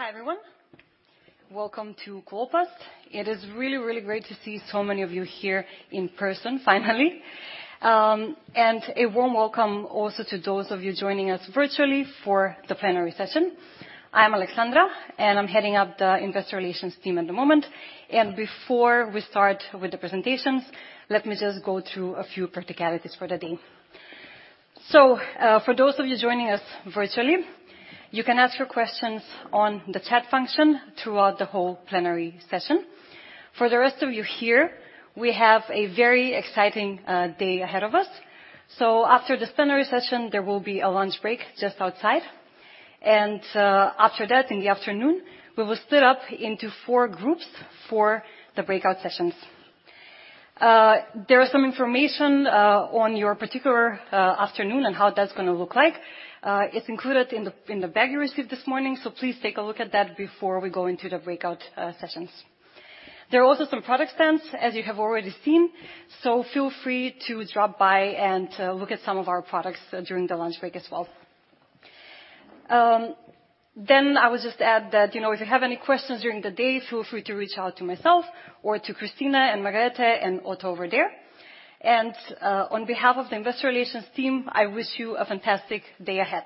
Hi, everyone. Welcome to Coloplast. It is really, really great to see so many of you here in person finally. A warm welcome also to those of you joining us virtually for the plenary session. I am Alexandra, and I'm heading up the Investor Relations team at the moment. Before we start with the presentations, let me just go through a few practicalities for the day. For those of you joining us virtually, you can ask your questions on the chat function throughout the whole plenary session. For the rest of you here, we have a very exciting day ahead of us. After this plenary session, there will be a lunch break just outside. After that, in the afternoon, we will split up into four groups for the breakout sessions. There is some information on your particular afternoon and how that's gonna look like. It's included in the bag you received this morning, so please take a look at that before we go into the breakout sessions. There are also some product stands as you have already seen, so feel free to drop by and look at some of our products during the lunch break as well. I would just add that, you know, if you have any questions during the day, feel free to reach out to myself or to Christina and Margrethe and Otto over there. On behalf of the Investor Relations team, I wish you a fantastic day ahead.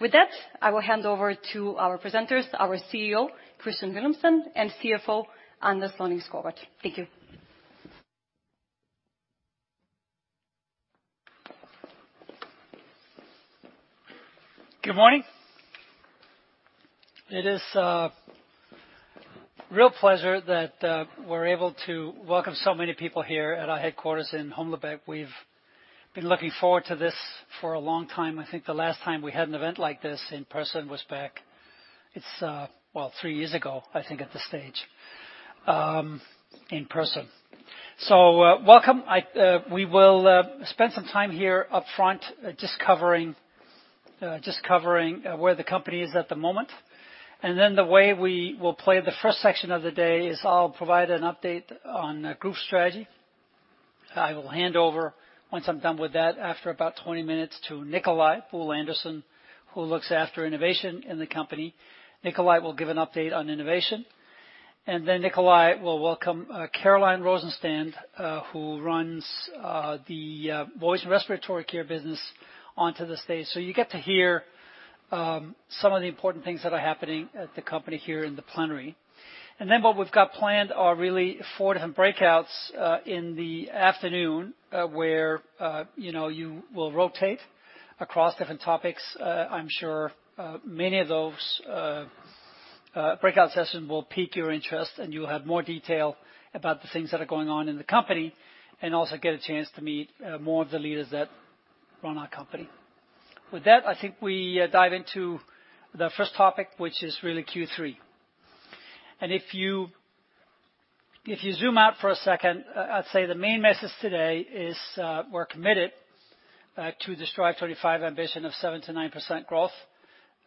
With that, I will hand over to our presenters, our CEO, Kristian Villumsen, and CFO, Anders Lønning-Skovgaard. Thank you. Good morning. It is a real pleasure that we're able to welcome so many people here at our headquarters in Humlebæk. We've been looking forward to this for a long time. I think the last time we had an event like this in person was back. Well, 3 years ago, I think, at this stage, in person. Welcome. We will spend some time here up front just covering where the company is at the moment. Then the way we will plan the first section of the day is I'll provide an update on group strategy. I will hand over once I'm done with that, after about 20 minutes, to Nicolai Buhl Andersen, who looks after innovation in the company. Nicolai will give an update on innovation, and then Nicolai will welcome Caroline Rosenstand, who runs the Voice and Respiratory Care business onto the stage. You get to hear some of the important things that are happening at the company here in the plenary. Then what we've got planned are really four different breakouts in the afternoon, where you know you will rotate across different topics. I'm sure many of those breakout sessions will pique your interest, and you'll have more detail about the things that are going on in the company and also get a chance to meet more of the leaders that run our company. With that, I think we dive into the first topic, which is really Q3. If you zoom out for a second, I'd say the main message today is we're committed to the Strive25 ambition of 7%-9% growth.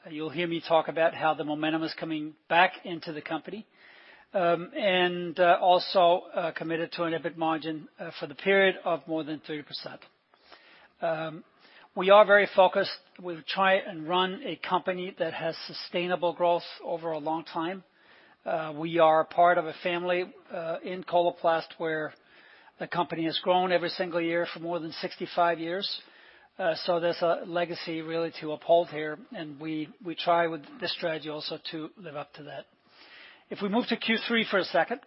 You'll hear me talk about how the momentum is coming back into the company. We're also committed to an EBIT margin for the period of more than 30%. We are very focused. We'll try and run a company that has sustainable growth over a long time. We are part of a family in Coloplast where the company has grown every single year for more than 65 years. There's a legacy really to uphold here, and we try with this strategy also to live up to that. If we move to Q3 for a second,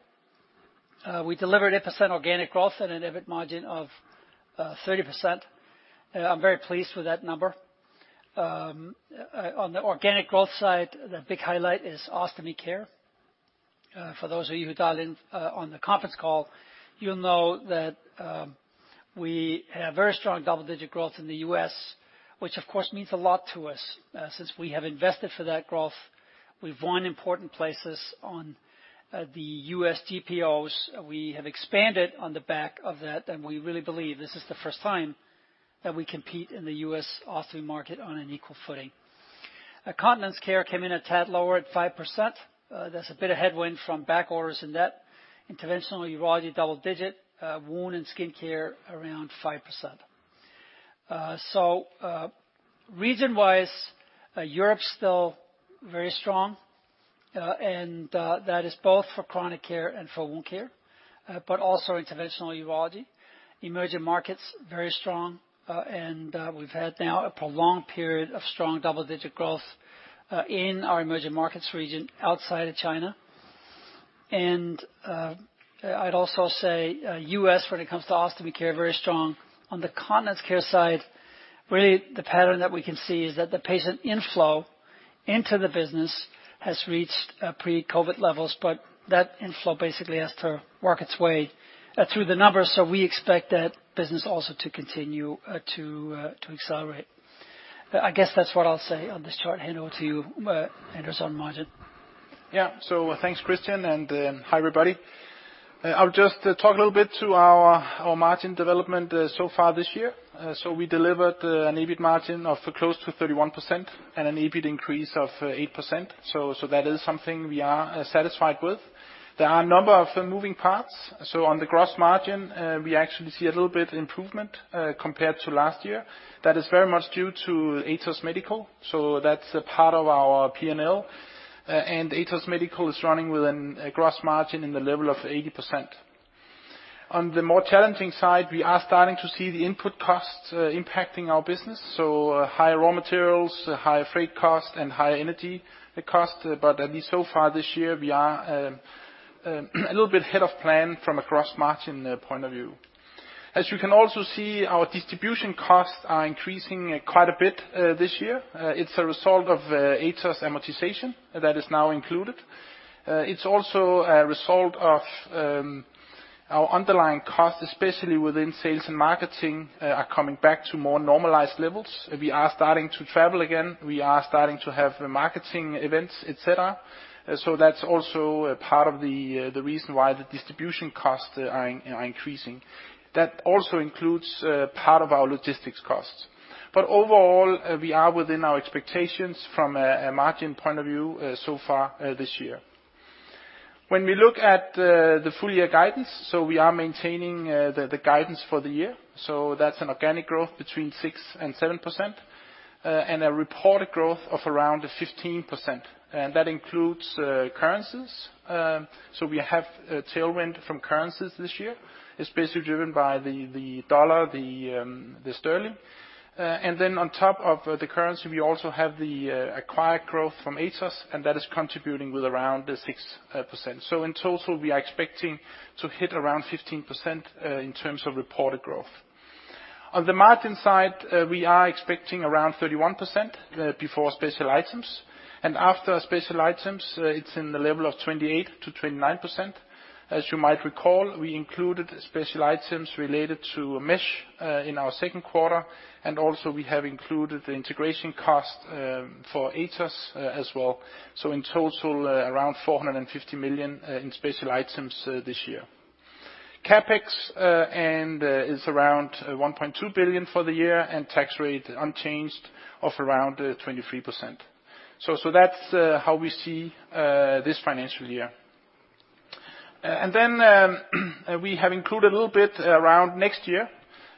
we delivered 8% organic growth and an EBIT margin of 30%. I'm very pleased with that number. On the organic growth side, the big highlight is Ostomy Care. For those of you who dial in on the conference call, you'll know that we have very strong double-digit growth in the U.S., which of course means a lot to us since we have invested for that growth. We've won important places on the U.S. GPOs. We have expanded on the back of that, and we really believe this is the first time that we compete in the U.S. Ostomy market on an equal footing. Continence Care came in a tad lower at 5%. That's a bit of headwind from back orders in that. Interventional Urology, double-digit. Wound and Skin Care, around 5%. Region-wise, Europe's still very strong, and that is both for Chronic Care and for Wound Care, but also Interventional Urology. Emerging markets, very strong, and we've had now a prolonged period of strong double-digit growth in our emerging markets region outside of China. I'd also say, U.S., when it comes to Ostomy Care, very strong. On the Continence Care side, really the pattern that we can see is that the patient inflow into the business has reached pre-COVID levels, but that inflow basically has to work its way through the numbers, so we expect that business also to continue to accelerate. I guess that's what I'll say on this chart. Hand over to you, Anders, on margin. Yeah. Thanks, Kristian, and hi, everybody. I'll just talk a little bit to our margin development so far this year. We delivered an EBIT margin of close to 31% and an EBIT increase of 8%. That is something we are satisfied with. There are a number of moving parts. On the gross margin, we actually see a little bit improvement compared to last year. That is very much due to Atos Medical. That's a part of our P&L. And Atos Medical is running with a gross margin in the level of 80%. On the more challenging side, we are starting to see the input costs impacting our business, higher raw materials, higher freight costs, and higher energy costs. At least so far this year, we are a little bit ahead of plan from a gross-margin point of view. As you can also see, our distribution costs are increasing quite a bit this year. It's a result of Atos amortization that is now included. It's also a result of our underlying costs, especially within sales and marketing, are coming back to more normalized levels. We are starting to travel again. We are starting to have marketing events, etc.. That's also part of the reason why the distribution costs are increasing. That also includes part of our logistics costs. Overall, we are within our expectations from a margin point of view so far this year. When we look at the full year guidance, we are maintaining the guidance for the year. That's an organic growth between 6%-7% and a reported growth of around 15%. That includes currencies. We have a tailwind from currencies this year. It's basically driven by the dollar, the sterling. Then on top of the currency, we also have the acquired growth from Atos, and that is contributing with around 6%. In total, we are expecting to hit around 15% in terms of reported growth. On the margin side, we are expecting around 31% before special items. After special items, it's in the level of 28%-29%. As you might recall, we included special items related to mesh in our second quarter, and also we have included the integration cost for Atos as well. In total, around 450 million in special items this year. CapEx is around 1.2 billion for the year and tax rate unchanged of around 23%. That's how we see this financial year. Then we have included a little bit around next year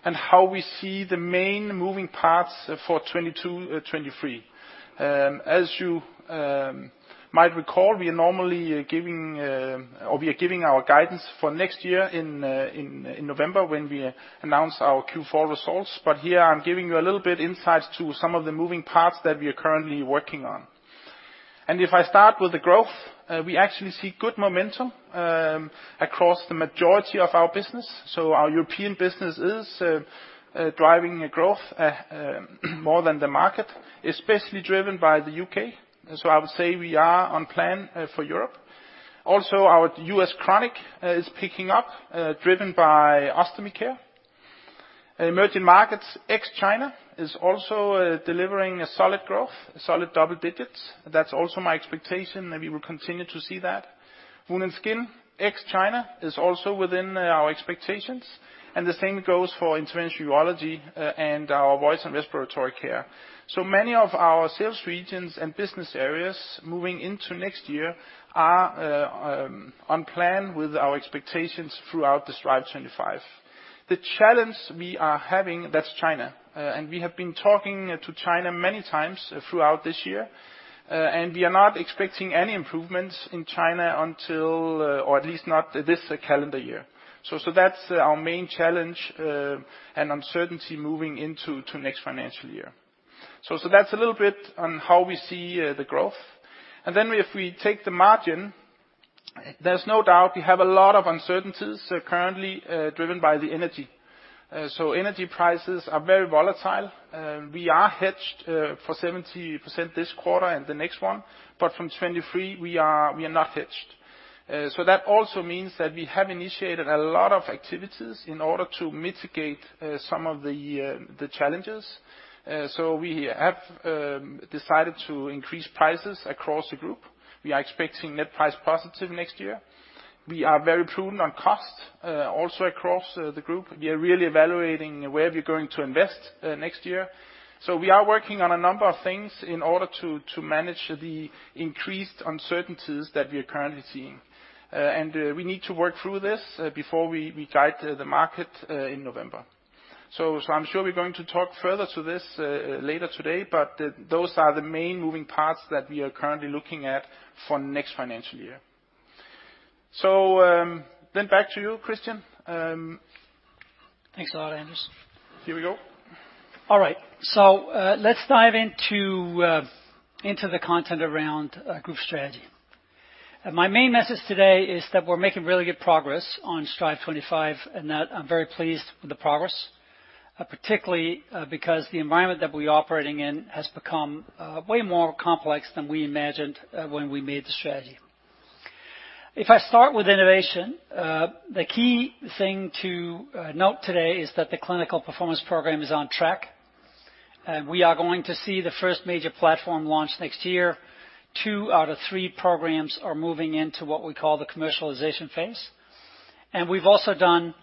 and how we see the main moving parts for 2022-2023. As you might recall, we are normally giving our guidance for next year in November when we announce our Q4 results. Here I'm giving you a little bit insight to some of the moving parts that we are currently working on. If I start with the growth, we actually see good momentum across the majority of our business. Our European business is driving growth more than the market, especially driven by the U.K.. I would say we are on plan for Europe. Also, our U.S. chronic is picking up, driven by Ostomy Care. Emerging markets, ex-China, is also delivering a solid growth, solid double digits. That's also my expectation that we will continue to see that. Wound and Skin Care, ex-China, is also within our expectations. The same goes for Interventional Urology and our Voice and Respiratory Care. Many of our sales regions and business areas moving into next year are on plan with our expectations throughout the Strive25. The challenge we are having, that's China. We have been talking to China many times throughout this year, and we are not expecting any improvements in China until or at least not this calendar year. That's our main challenge and uncertainty moving into next financial year. That's a little bit on how we see the growth. Then if we take the margin, there's no doubt we have a lot of uncertainties currently, driven by the energy. Energy prices are very volatile. We are hedged for 70% this quarter and the next one. From 2023, we are not hedged. That also means that we have initiated a lot of activities in order to mitigate some of the challenges. We have decided to increase prices across the group. We are expecting net price positive next year. We are very prudent on cost, also across the group. We are really evaluating where we're going to invest, next year. We are working on a number of things in order to manage the increased uncertainties that we are currently seeing. We need to work through this before we guide the market, in November. I'm sure we're going to talk further to this, later today, but those are the main moving parts that we are currently looking at for next financial year. Back to you, Kristian. Thanks a lot, Anders. Here we go. All right. Let's dive into the content around group strategy. My main message today is that we're making really good progress on Strive25, and that I'm very pleased with the progress, particularly, because the environment that we're operating in has become way more complex than we imagined when we made the strategy. If I start with innovation, the key thing to note today is that the Clinical Performance Program is on Track. We are going to see the first major platform launch next year. Two out of three programs are moving into what we call the commercialization phase. We've also done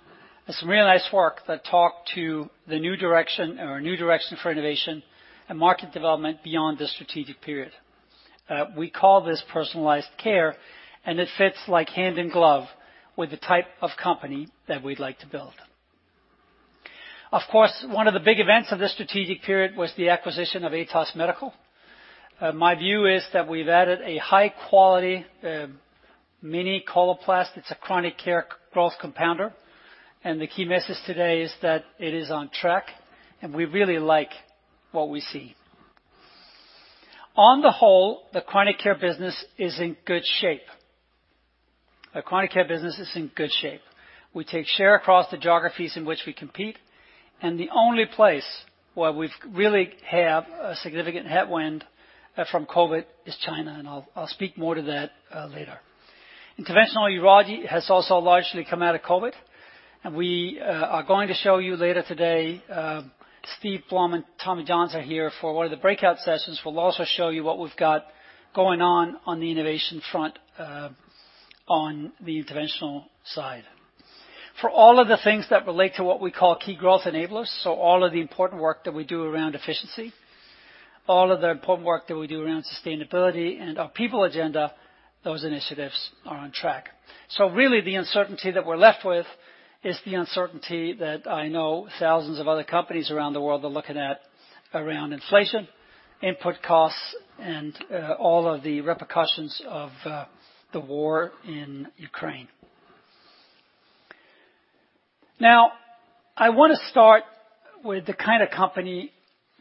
some really nice work that talk to the new direction for innovation and market development beyond the strategic period. We call this Personalized Care, and it fits like hand in glove with the type of company that we'd like to build. Of course, one of the big events of this strategic period was the acquisition of Atos Medical. My view is that we've added a high quality, mini Coloplast. It's a chronic care growth compounder, and the key message today is that it is on Track, and we really like what we see. On the whole, the Chronic Care business is in good shape. We take share across the geographies in which we compete, and the only place where we've really have a significant headwind from COVID is China, and I'll speak more to that later. Interventional Urology has also largely come out of COVID, and we are going to show you later today, Steve Blum and Tommy Johns are here for one of the breakout sessions. We'll also show you what we've got going on on the innovation front, on the interventional side. For all of the things that relate to what we call key growth enablers, so all of the important work that we do around efficiency, all of the important work that we do around sustainability and our people agenda, those initiatives are on Track. Really the uncertainty that we're left with is the uncertainty that I know thousands of other companies around the world are looking at around inflation, input costs, and all of the repercussions of the war in Ukraine. Now, I wanna start with the kind of company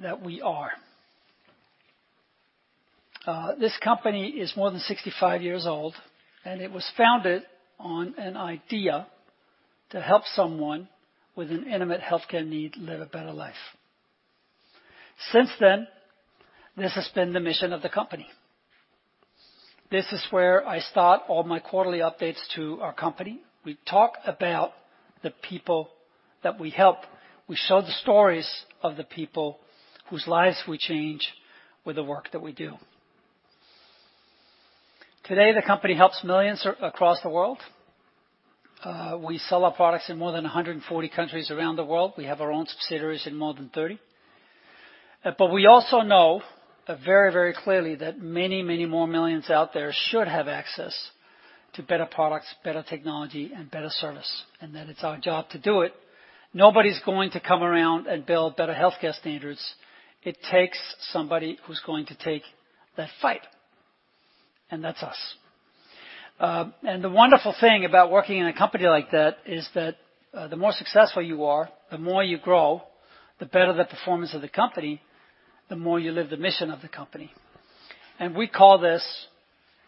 that we are. This company is more than 65 years old, and it was founded on an idea to help someone with an intimate healthcare need live a better life. Since then, this has been the mission of the company. This is where I start all my quarterly updates to our company. We talk about the people that we help. We show the stories of the people whose lives we change with the work that we do. Today, the company helps millions across the world. We sell our products in more than 140 countries around the world. We have our own subsidiaries in more than 30. We also know very, very clearly that many, many more millions out there should have access to better products, better technology and better service, and that it's our job to do it. Nobody's going to come around and build better healthcare standards. It takes somebody who's going to take that fight, and that's us. The wonderful thing about working in a company like that is that, the more successful you are, the more you grow, the better the performance of the company, the more you live the mission of the company. We call this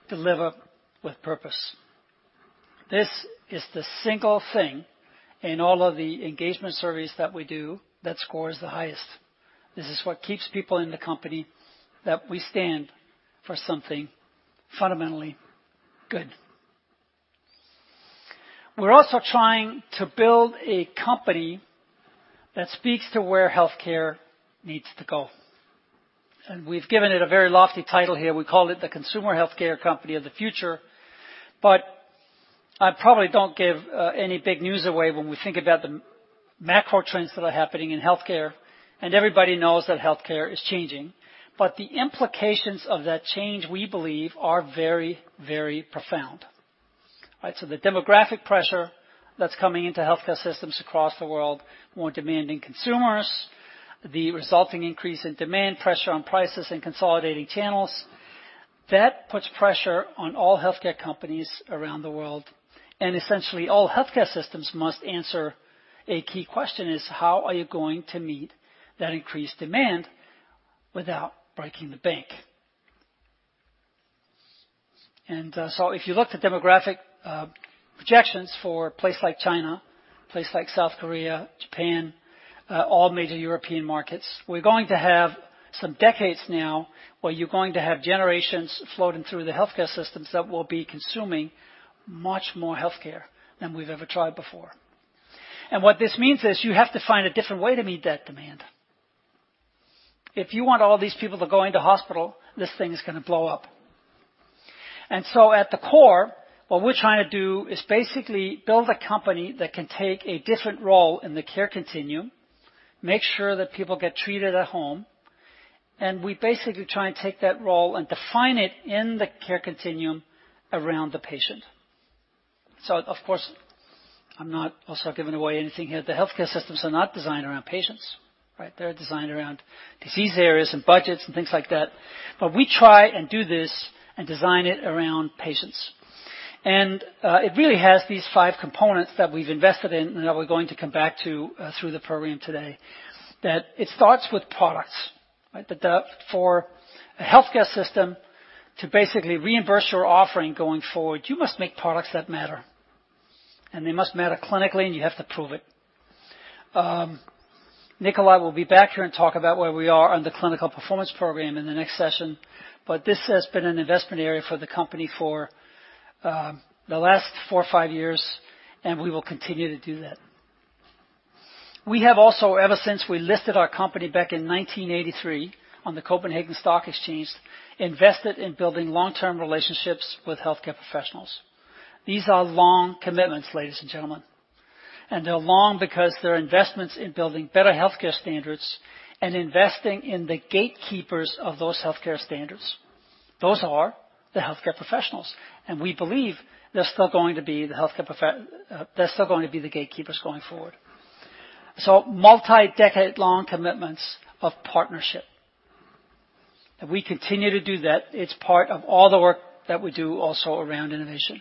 deliver with purpose. This is the single thing in all of the engagement surveys that we do that scores the highest. This is what keeps people in the company, that we stand for something fundamentally good. We're also trying to build a company that speaks to where healthcare needs to go, and we've given it a very lofty title here. We call it the consumer healthcare company of the future, but I probably don't give any big news away when we think about the macro trends that are happening in healthcare, and everybody knows that healthcare is changing. The implications of that change, we believe, are very, very profound, right? The demographic pressure that's coming into healthcare systems across the world, more demanding consumers, the resulting increase in demand, pressure on prices and consolidating channels, that puts pressure on all healthcare companies around the world. Essentially, all healthcare systems must answer a key question is, how are you going to meet that increased demand without breaking the bank? If you look at demographic projections for a place like China, places like South Korea, Japan, all major European markets, we're going to have some decades now where you're going to have generations floating through the healthcare systems that will be consuming much more healthcare than we've ever tried before. What this means is you have to find a different way to meet that demand. If you want all these people to go into hospital, this thing is gonna blow up. At the core, what we're trying to do is basically build a company that can take a different role in the care continuum, make sure that people get treated at home, and we basically try and take that role and define it in the care continuum around the patient. Of course, I'm not also giving away anything here. The healthcare systems are not designed around patients, right? They're designed around disease areas and budgets and things like that. We try and do this and design it around patients. It really has these five components that we've invested in and that we're going to come back to, through the program today. That it starts with products, right? That, for a healthcare system to basically reimburse your offering going forward, you must make products that matter, and they must matter clinically, and you have to prove it. Nicolai will be back here and talk about where we are on the Clinical Performance Program in the next session. This has been an investment area for the company for, the last four or five years, and we will continue to do that. We have also, ever since we listed our company back in 1983 on the Copenhagen Stock Exchange, invested in building long-term relationships with healthcare professionals. These are long commitments, ladies and gentlemen. They're long because they're investments in building better healthcare standards and investing in the gatekeepers of those healthcare standards. Those are the healthcare professionals, and we believe they're still going to be the gatekeepers going forward. Multi-decade long commitments of partnership. If we continue to do that, it's part of all the work that we do also around innovation.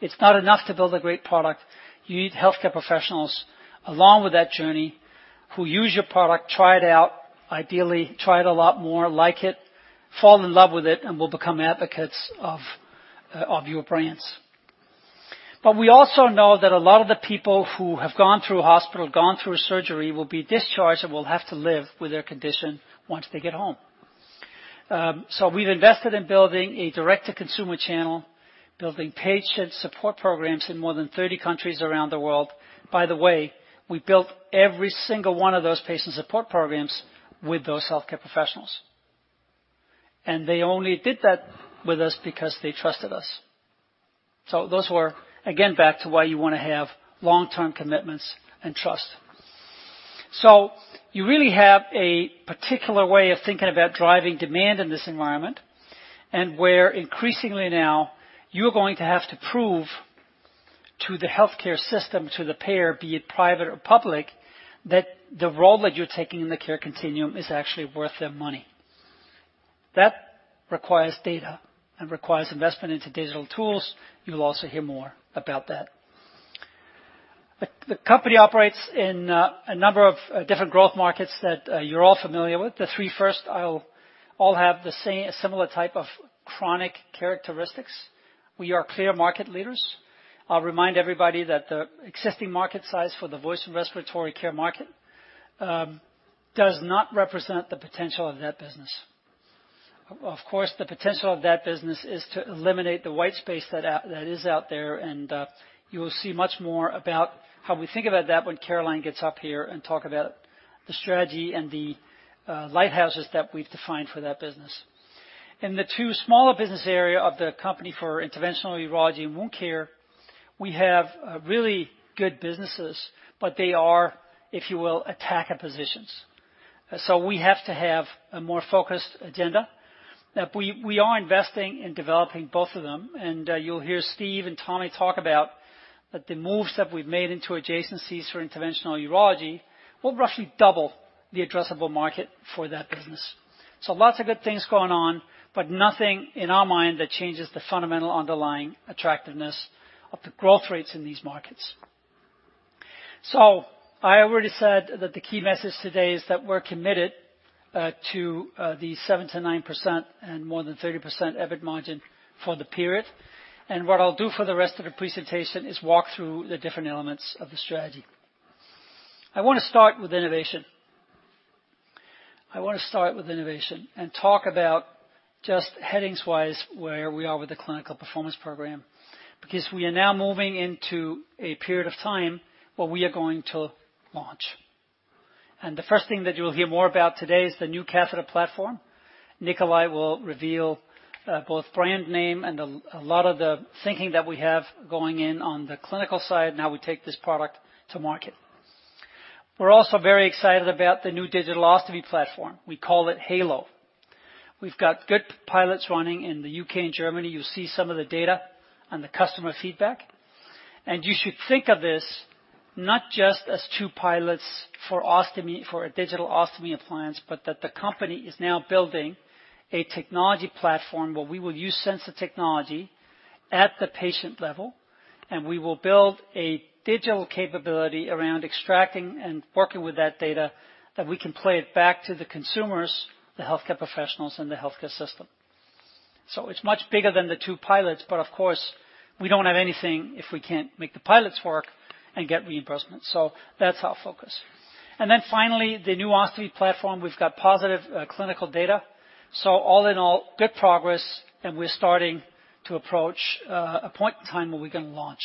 It's not enough to build a great product. You need healthcare professionals along with that journey who use your product, try it out, ideally, try it a lot more, like it, fall in love with it, and will become advocates of your brands. We also know that a lot of the people who have gone through hospital, gone through a surgery, will be discharged and will have to live with their condition once they get home. We've invested in building a direct-to-consumer channel, building patient support programs in more than 30 countries around the world. By the way, we built every single one of those patient support programs with those healthcare professionals. They only did that with us because they trusted us. Those were, again, back to why you wanna have long-term commitments and trust. You really have a particular way of thinking about driving demand in this environment, and where increasingly now you're going to have to prove to the healthcare system, to the payer, be it private or public, that the role that you're taking in the care continuum is actually worth their money. That requires data and requires investment into digital tools. You'll also hear more about that. The company operates in a number of different growth markets that you're all familiar with. The three first will all have the same similar type of chronic characteristics. We are clear market leaders. I'll remind everybody that the existing market size for the Voice and Respiratory Care market does not represent the potential of that business. Of course, the potential of that business is to eliminate the white space that is out there, and you will see much more about how we think about that when Caroline gets up here and talk about the strategy and the lighthouses that we've defined for that business. In the two smaller business area of the company for Interventional Urology and Wound Care, we have really good businesses, but they are, if you will, attacker positions. We have to have a more focused agenda. Now we are investing in developing both of them, and you'll hear Steve and Tommy talk about the moves that we've made into adjacencies for Interventional Urology will roughly double the addressable market for that business. Lots of good things going on, but nothing in our mind that changes the fundamental underlying atTractiveness of the growth rates in these markets. I already said that the key message today is that we're committed to the 7%-9% and more than 30% EBIT margin for the period. What I'll do for the rest of the presentation is walk through the different elements of the strategy. I wanna start with innovation and talk about just headings-wise, where we are with the Clinical Performance Program, because we are now moving into a period of time where we are going to launch. The first thing that you'll hear more about today is the new catheter platform. Nicolai will reveal both brand name and a lot of the thinking that we have going in on the clinical side and how we take this product to market. We're also very excited about the new digital ostomy platform. We call it Heylo. We've got good pilots running in the U.K. And Germany. You'll see some of the data and the customer feedback. You should think of this not just as two pilots for ostomy, for a digital ostomy appliance, but that the company is now building a technology platform where we will use sensor technology at the patient level, and we will build a digital capability around exTracting and working with that data that we can play it back to the consumers, the healthcare professionals in the healthcare system. It's much bigger than the two pilots, but of course, we don't have anything if we can't make the pilots work and get reimbursement. That's our focus. Finally, the new ostomy platform, we've got positive clinical data. All in all, good progress, and we're starting to approach a point in time where we can launch.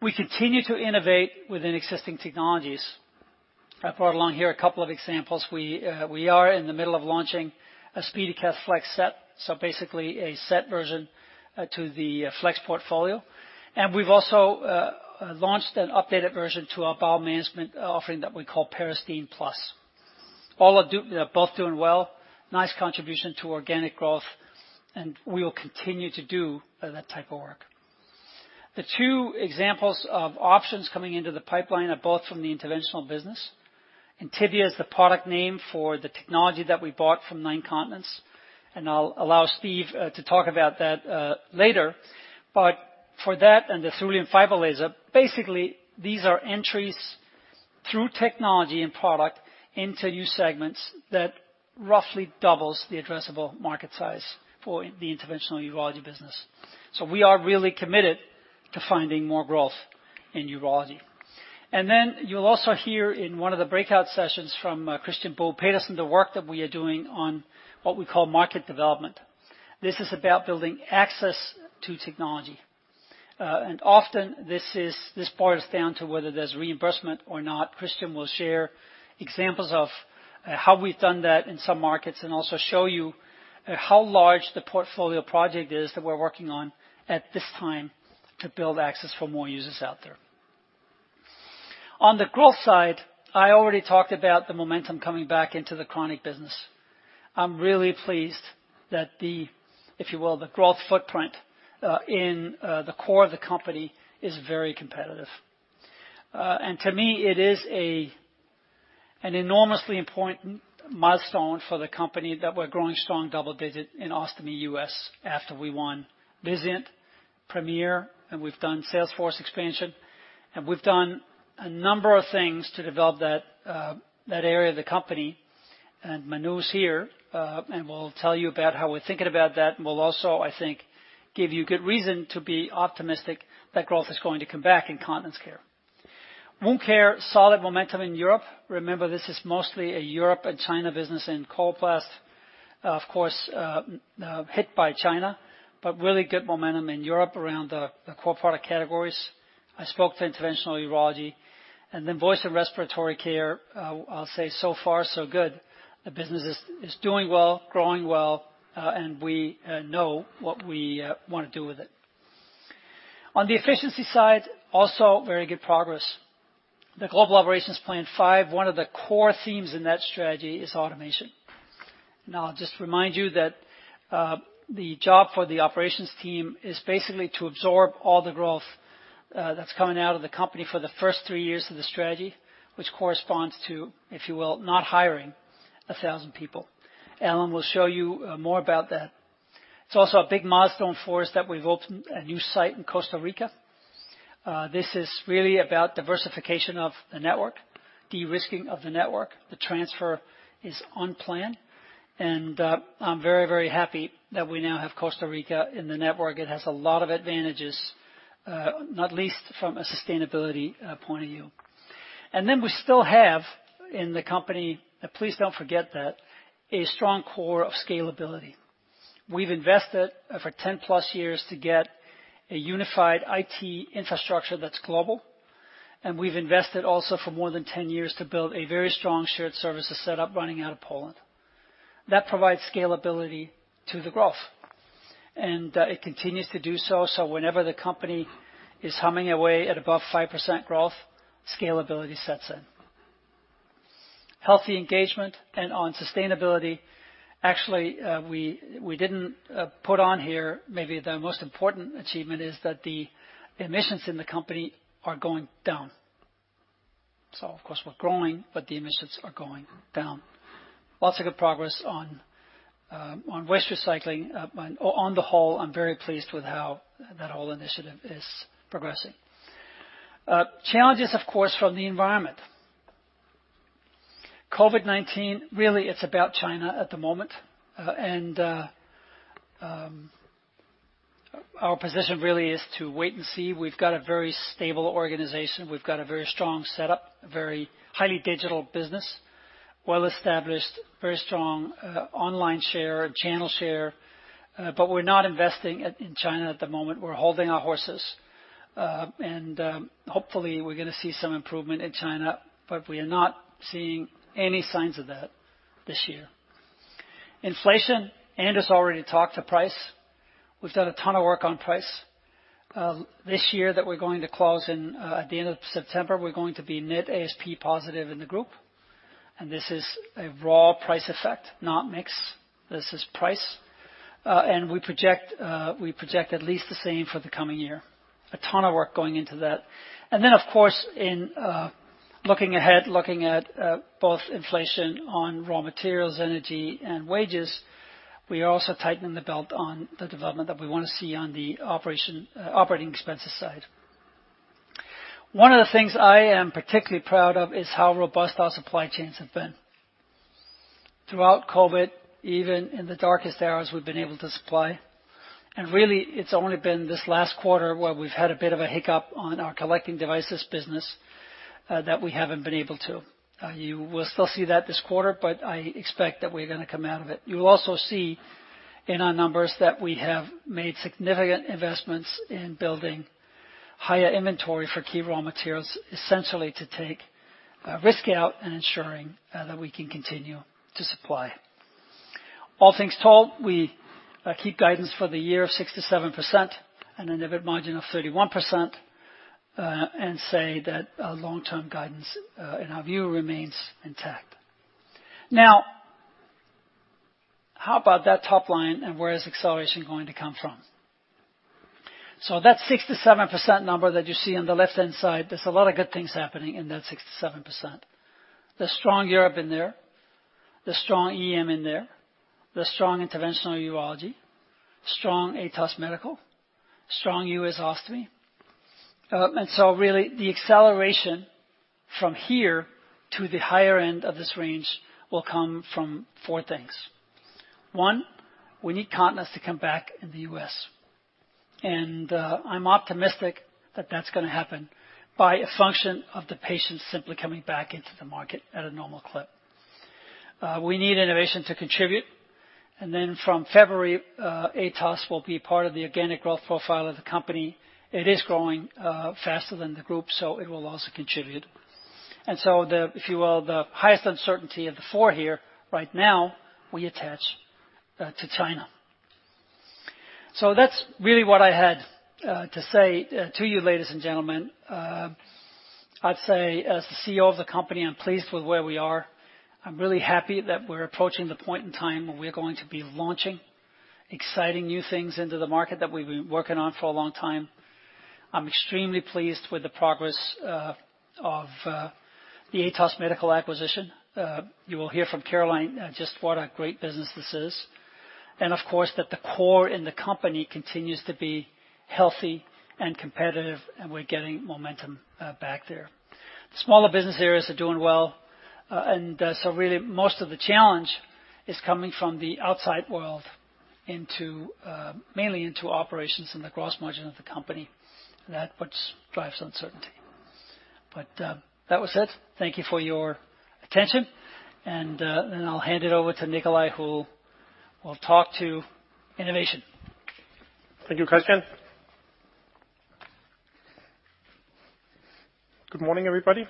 We continue to innovate within existing technologies. I brought along here a couple of examples. We are in the middle of launching a SpeediCath Flex set, so basically a set version to the Flex portfolio. We've also launched an updated version to our bowel management offering that we call Peristeen Plus. They're both doing well, nice contribution to organic growth, and we will continue to do that type of work. The two examples of options coming into the pipeline are both from the interventional business. Intibia is the product name for the technology that we bought from Nine Continents, and I'll allow Steve to talk about that later. For that and the Thulium Fiber Laser, basically, these are entries through technology and product into new segments that roughly doubles the addressable market size for the interventional urology business. We are really committed to finding more growth in urology. You'll also hear in one of the breakout sessions from Kristian Bo Petersen, the work that we are doing on what we call market development. This is about building access to technology. Often this boils down to whether there's reimbursement or not. Kristian Bo Petersen will share examples of how we've done that in some markets and also show you how large the portfolio project is that we're working on at this time to build access for more users out there. On the growth side, I already talked about the momentum coming back into the chronic business. I'm really pleased that the, if you will, the growth footprint in the core of the company is very competitive. To me, it is an enormously important milestone for the company that we're growing strong double-digit in Ostomy U.S. after we won Vizient, Premier, and we've done sales force expansion. We've done a number of things to develop that area of the company. Manu's here and will tell you about how we're thinking about that, and will also, I think, give you good reason to be optimistic that growth is going to come back in Continence Care. Wound Care, solid momentum in Europe. Remember, this is mostly a Europe and China business, and Coloplast, of course, hit by China, but really good momentum in Europe around the core product categories. I spoke to Interventional Urology. Then Voice and Respiratory Care, I'll say so far, so good. The business is doing well, growing well, and we know what we wanna do with it. On the efficiency side, also very good progress. The Global Operations Plan 5, one of the core themes in that strategy is automation. Now, I'll just remind you that the job for the operations team is basically to absorb all the growth that's coming out of the company for the first three years of the strategy, which corresponds to, if you will, not hiring 1,000 people. Alan will show you more about that. It's also a big milestone for us that we've opened a new site in Costa Rica. This is really about diversification of the network, de-risking of the network. The transfer is on plan. I'm very, very happy that we now have Costa Rica in the network. It has a lot of advantages, not least from a sustainability point of view. We still have in the company, please don't forget that, a strong core of scalability. We've invested for 10+ years to get a unified IT infrastructure that's global. We've invested also for more than 10 years to build a very strong shared services set up running out of Poland. That provides scalability to the growth, and it continues to do so. Whenever the company is humming away at above 5% growth, scalability sets in. Healthy engagement and on sustainability, actually, we didn't put on here, maybe the most important achievement is that the emissions in the company are going down. Of course, we're growing, but the emissions are going down. Lots of good progress on waste recycling. On the whole, I'm very pleased with how that whole initiative is progressing. Challenges, of course, from the environment. COVID-19, really, it's about China at the moment. Our position really is to wait and see. We've got a very stable organization. We've got a very strong setup, very highly digital business, well-established, very strong, online share, channel share, but we're not investing in China at the moment. We're holding our horses. Hopefully, we're gonna see some improvement in China, but we are not seeing any signs of that this year. Inflation. Anders already talked to price. We've done a ton of work on price. This year that we're going to close in at the end of September, we're going to be net ASP positive in the group. This is a raw price effect, not mix. This is price. We project at least the same for the coming year. A ton of work going into that. Of course, looking ahead at both inflation on raw materials, energy, and wages, we are also tightening the belt on the development that we wanna see on the operating expenses side. One of the things I am particularly proud of is how robust our supply chains have been. Throughout COVID, even in the darkest hours, we've been able to supply. Really, it's only been this last quarter where we've had a bit of a hiccup on our collecting devices business that we haven't been able to. You will still see that this quarter, but I expect that we're gonna come out of it. You will also see in our numbers that we have made significant investments in building higher inventory for key raw materials, essentially to take risk out and ensuring that we can continue to supply. All things told, we keep guidance for the year of 6%-7% and an EBIT margin of 31%, and say that long-term guidance in our view remains intact. Now, how about that top line and where is acceleration going to come from? That 67% number that you see on the left-hand side, there's a lot of good things happening in that 67%. There's strong Europe in there. There's strong EM in there. There's strong Interventional Urology, strong Atos Medical, strong U.S. Ostomy. Really, the acceleration from here to the higher end of this range will come from four things. One, we need continence to come back in the U.S. I'm optimistic that that's gonna happen by a function of the patients simply coming back into the market at a normal clip. We need innovation to contribute. From February, Atos will be part of the organic growth profile of the company. It is growing faster than the group, so it will also contribute. The, if you will, the highest uncertainty of the four here right now, we attach to China. That's really what I had to say to you, ladies and gentlemen. I'd say as the CEO of the company, I'm pleased with where we are. I'm really happy that we're approaching the point in time where we're going to be launching exciting new things into the market that we've been working on for a long time. I'm extremely pleased with the progress of the Atos Medical acquisition. You will hear from Caroline just what a great business this is, and of course, that the core in the company continues to be healthy and competitive, and we're getting momentum back there. The smaller business areas are doing well. Really most of the challenge is coming from the outside world mainly into operations and the gross margin of the company, and that what drives uncertainty. That was it. Thank you for your attention, and I'll hand it over to Nicolai, who will talk about innovation. Thank you, Kristian. Good morning, everybody.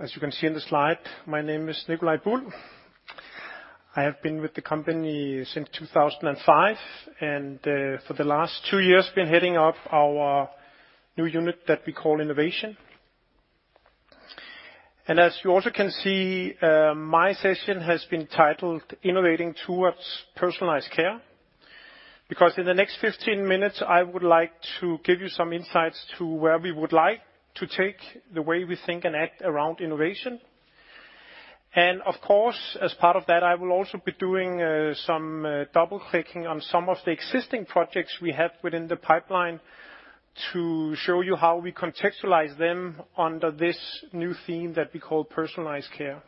As you can see in the slide, my name is Nicolai Buhl. I have been with the company since 2005, and for the last two years been heading up our new unit that we call innovation. As you also can see, my session has been titled Innovating towards personalized care, because in the next 15 minutes, I would like to give you some insights to where we would like to take the way we think and act around innovation. Of course, as part of that, I will also be doing some double-clicking on some of the existing projects we have within the pipeline to show you how we contextualize them under this new theme that we call personalized care.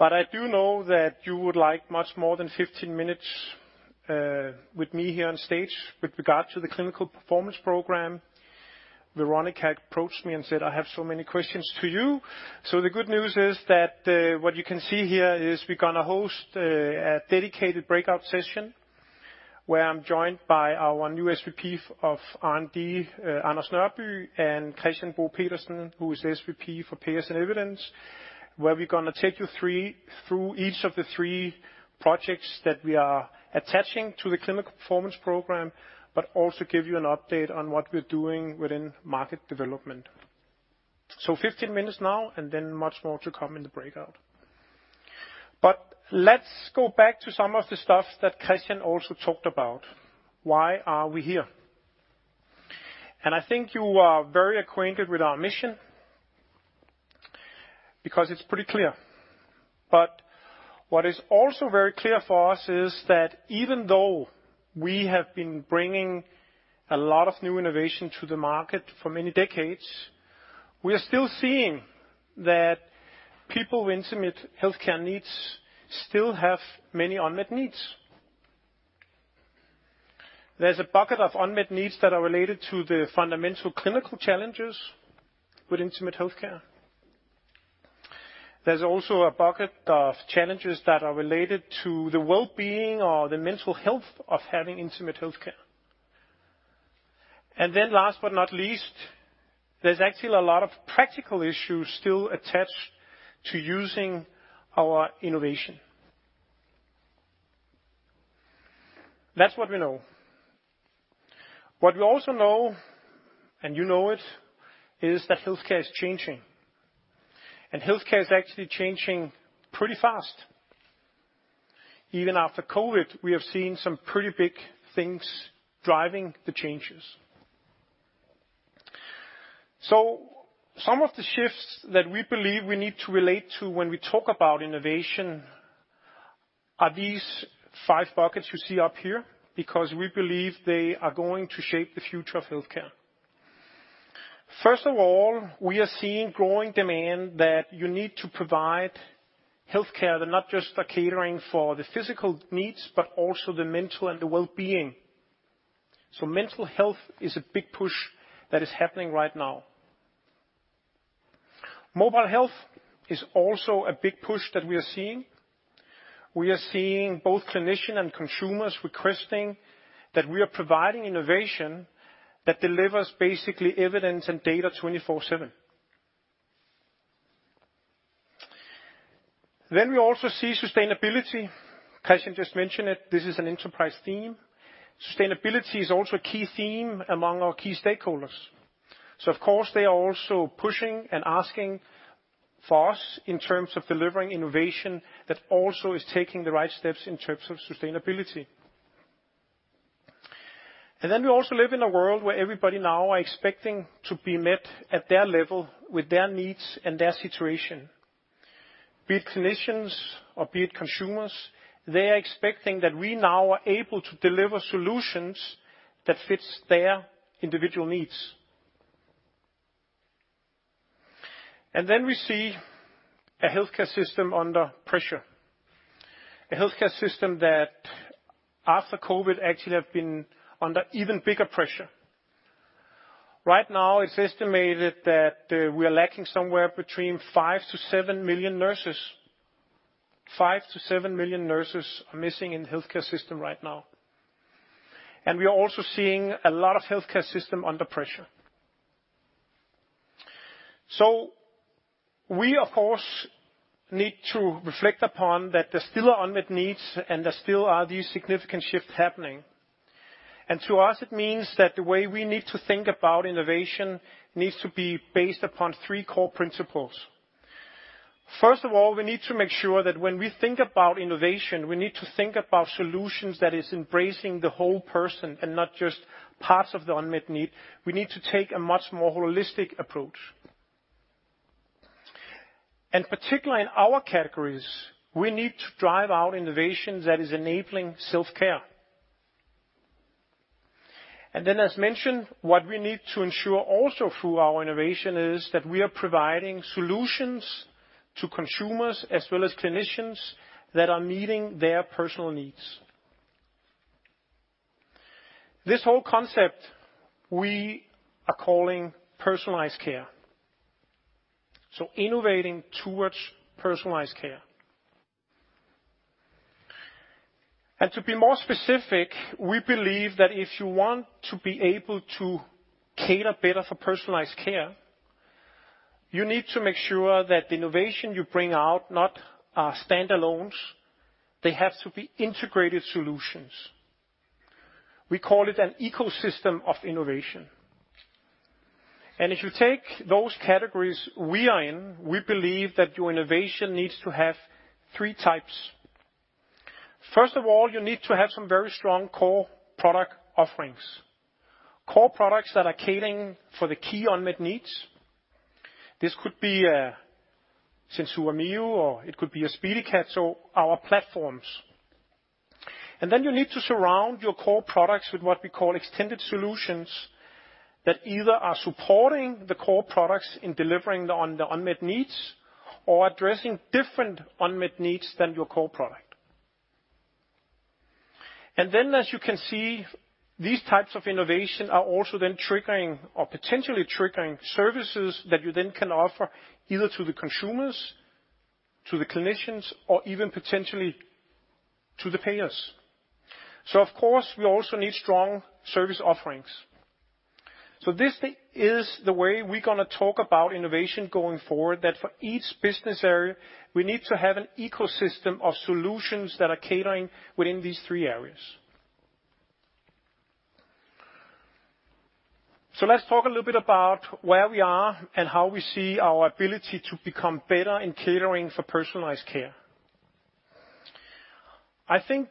I do know that you would like much more than 15 minutes with me here on stage with regard to the Clinical Performance Program. Veronica approached me and said, "I have so many questions to you." The good news is that what you can see here is we're gonna host a dedicated breakout session where I'm joined by our new SVP of R&D, Anders Nørby, and Kristian Bo Petersen, who is the SVP for Payers & Evidence, where we're gonna take you through each of the 3 projects that we are attaching to the Clinical Performance Program, but also give you an update on what we're doing within market development. Fifteen minutes now and then much more to come in the breakout. Let's go back to some of the stuff that Kristian also talked about. Why are we here? I think you are very acquainted with our mission because it's pretty clear. What is also very clear for us is that even though we have been bringing a lot of new innovation to the market for many decades, we are still seeing that people with intimate healthcare needs still have many unmet needs. There's a bucket of unmet needs that are related to the fundamental clinical challenges with intimate healthcare. There's also a bucket of challenges that are related to the well-being or the mental health of having intimate healthcare. Then last but not least, there's actually a lot of practical issues still attached to using our innovation. That's what we know. What we also know, and you know it, is that healthcare is changing, and healthcare is actually changing pretty fast. Even after COVID, we have seen some pretty big things driving the changes. Some of the shifts that we believe we need to relate to when we talk about innovation are these five buckets you see up here, because we believe they are going to shape the future of healthcare. First of all, we are seeing growing demand that you need to provide healthcare that not just are catering for the physical needs, but also the mental and the well-being. Mental health is a big push that is happening right now. Mobile health is also a big push that we are seeing. We are seeing both clinician and consumers requesting that we are providing innovation that delivers basically evidence and data 24/7. We also see sustainability. Kristian just mentioned it, this is an enterprise theme. Sustainability is also a key theme among our key stakeholders. Of course, they are also pushing and asking for us in terms of delivering innovation that also is taking the right steps in terms of sustainability. We also live in a world where everybody now are expecting to be met at their level with their needs and their situation. Be it clinicians or be it consumers, they are expecting that we now are able to deliver solutions that fits their individual needs. We see a healthcare system under pressure. A healthcare system that after COVID actually have been under even bigger pressure. Right now, it's estimated that we are lacking somewhere between 5 to 7 million nurses. 5-7 million nurses are missing in the healthcare system right now. We are also seeing a lot of healthcare systems under pressure. We, of course, need to reflect upon that there's still unmet needs and there still are these significant shifts happening. To us, it means that the way we need to think about innovation needs to be based upon three core principles. First of all, we need to make sure that when we think about innovation, we need to think about solutions that is embracing the whole person and not just parts of the unmet need. We need to take a much more holistic approach. Particularly in our categories, we need to drive our innovation that is enabling self-care. Then as mentioned, what we need to ensure also through our innovation is that we are providing solutions to consumers as well as clinicians that are meeting their personal needs. This whole concept we are calling Personalized Care, so innovating towards Personalized Care. To be more specific, we believe that if you want to be able to cater better for Personalized Care, you need to make sure that the innovation you bring out not are stand-alones, they have to be integrated solutions. We call it an ecosystem of innovation. If you take those categories we are in, we believe that your innovation needs to have three types. First of all, you need to have some very strong core product offerings, core products that are catering for the key unmet needs. This could be a SenSura Mio or it could be a SpeediCath, so our platforms. Then you need to surround your core products with what we call extended solutions that either are supporting the core products in delivering on the unmet needs or addressing different unmet needs than your core product. As you can see, these types of innovation are also then triggering or potentially triggering services that you then can offer either to the consumers, to the clinicians, or even potentially to the payers. Of course, we also need strong service offerings. This is the way we're gonna talk about innovation going forward, that for each business area, we need to have an ecosystem of solutions that are catering within these three areas. Let's talk a little bit about where we are and how we see our ability to become better in catering for Personalized Care. I think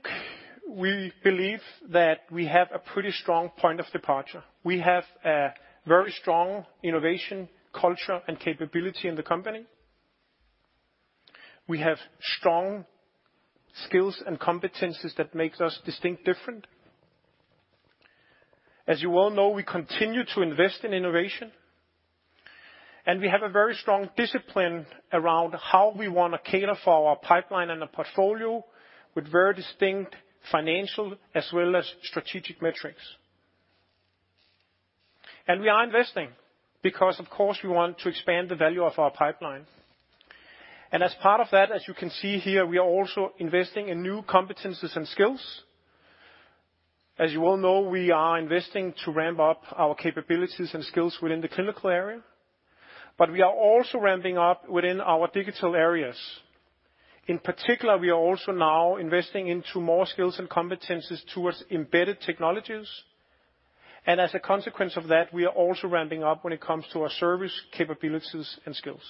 we believe that we have a pretty strong point of departure. We have a very strong innovation culture and capability in the company. We have strong skills and competencies that makes us distinct different. As you all know, we continue to invest in innovation and we have a very strong discipline around how we wanna cater for our pipeline and the portfolio with very distinct financial as well as strategic metrics. We are investing because of course we want to expand the value of our pipeline. As part of that, as you can see here, we are also investing in new competencies and skills. As you all know, we are investing to ramp up our capabilities and skills within the clinical area, but we are also ramping up within our digital areas. In particular, we are also now investing into more skills and competencies towards embedded technologies. As a consequence of that, we are also ramping up when it comes to our service capabilities and skills.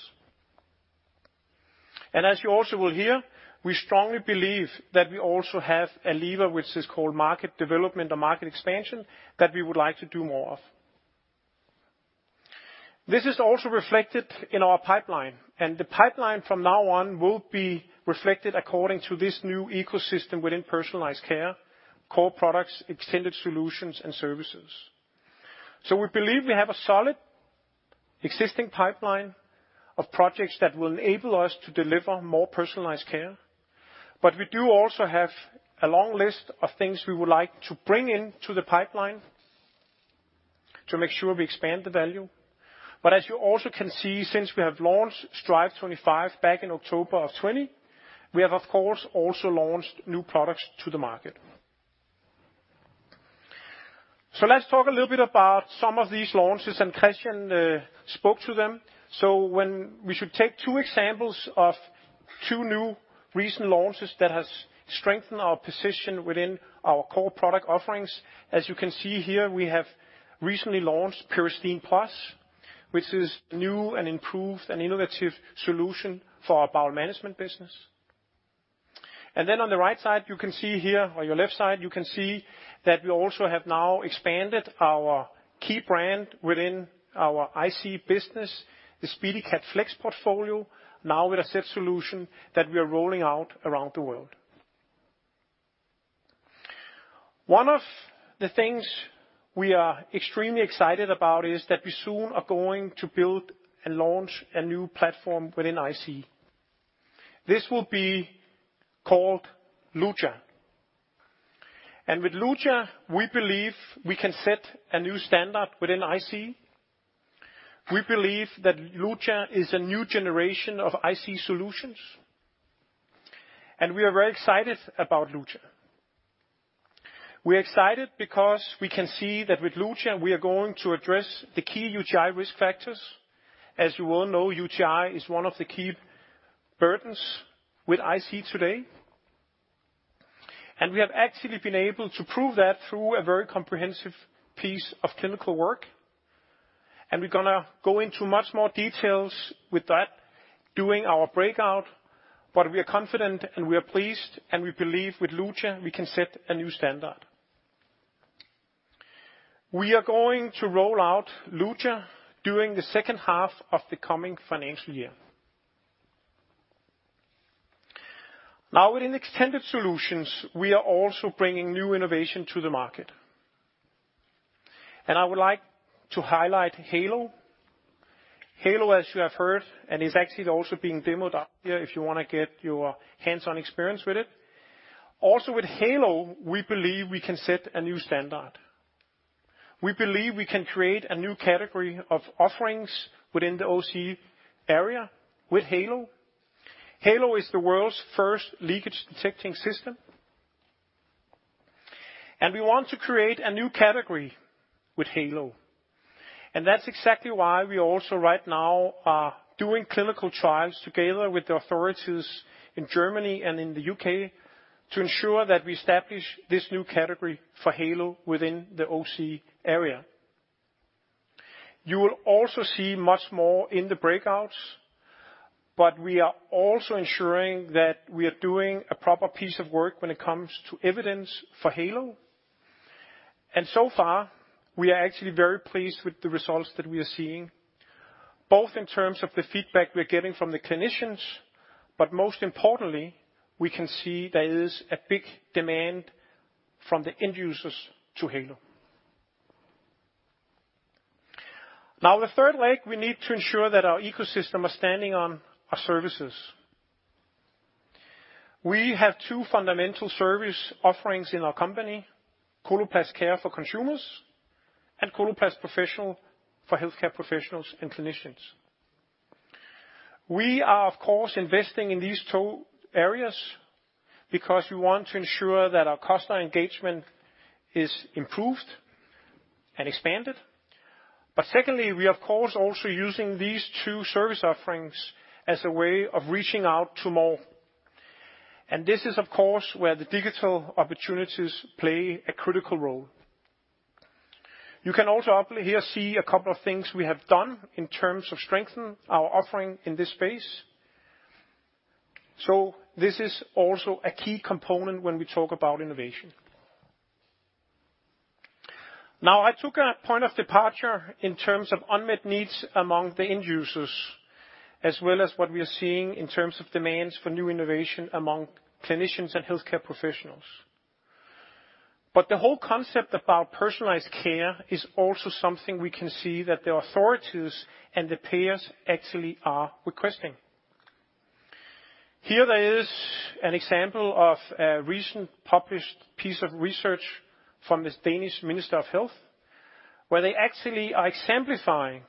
As you also will hear, we strongly believe that we also have a lever which is called market development or market expansion that we would like to do more of. This is also reflected in our pipeline, and the pipeline from now on will be reflected according to this new ecosystem within Personalized Care, core products, extended solutions and services. We believe we have a solid existing pipeline of projects that will enable us to deliver more Personalized Care, but we do also have a long list of things we would like to bring into the pipeline to make sure we expand the value. As you also can see, since we have launched Strive25 back in October of 2020, we have of course also launched new products to the market. Let's talk a little bit about some of these launches, and Kristian spoke to them. We can take two examples of two new recent launches that have strengthened our position within our core product offerings. As you can see here, we have recently launched Peristeen Plus, which is new and improved and innovative solution for our bowel management business. Then on the right side, you can see here, or your left side, you can see that we also have now expanded our key brand within our IC business, the SpeediCath Flex portfolio, now with a set solution that we are rolling out around the world. One of the things we are extremely excited about is that we soon are going to build and launch a new platform within IC. This will be called Luja. With Luja, we believe we can set a new standard within IC. We believe that Luja is a new generation of IC solutions, and we are very excited about Luja. We're excited because we can see that with Luja, we are going to address the key UTI risk factors. As you well know, UTI is one of the key burdens with IC today. We have actually been able to prove that through a very comprehensive piece of clinical work, and we're gonna go into much more details with that during our breakout. We are confident, and we are pleased, and we believe with Luja, we can set a new standard. We are going to roll out Luja during the second half of the coming financial year. Now, within extended solutions, we are also bringing new innovation to the market. I would like to highlight Heylo. Heylo, as you have heard, is actually also being demoed out there if you wanna get your hands-on experience with it. Also with Heylo, we believe we can set a new standard. We believe we can create a new category of offerings within the OC area with Heylo. Heylo is the world's first leakage detecting system. We want to create a new category with Heylo, and that's exactly why we also right now are doing clinical trials together with the authorities in Germany and in the UK to ensure that we establish this new category for Heylo within the OC area. You will also see much more in the breakouts, but we are also ensuring that we are doing a proper piece of work when it comes to evidence for Heylo. So far, we are actually very pleased with the results that we are seeing, both in terms of the feedback we're getting from the clinicians, but most importantly, we can see there is a big demand from the end users to Heylo. Now, the third leg, we need to ensure that our ecosystem are standing on our services. We have two fundamental service offerings in our company, Coloplast Care for consumers and Coloplast Professional for healthcare professionals and clinicians. We are of course, investing in these two areas because we want to ensure that our customer engagement is improved and expanded. Secondly, we of course also using these two service offerings as a way of reaching out to more. This is of course, where the digital opportunities play a critical role. You can also up here see a couple of things we have done in terms of strengthen our offering in this space. This is also a key component when we talk about innovation. Now, I took a point of departure in terms of unmet needs among the end users, as well as what we are seeing in terms of demands for new innovation among clinicians and healthcare professionals. The whole concept about Personalized Care is also something we can see that the authorities and the payers actually are requesting. Here there is an example of a recent published piece of research from this Danish Minister of Health, where they actually are exemplifying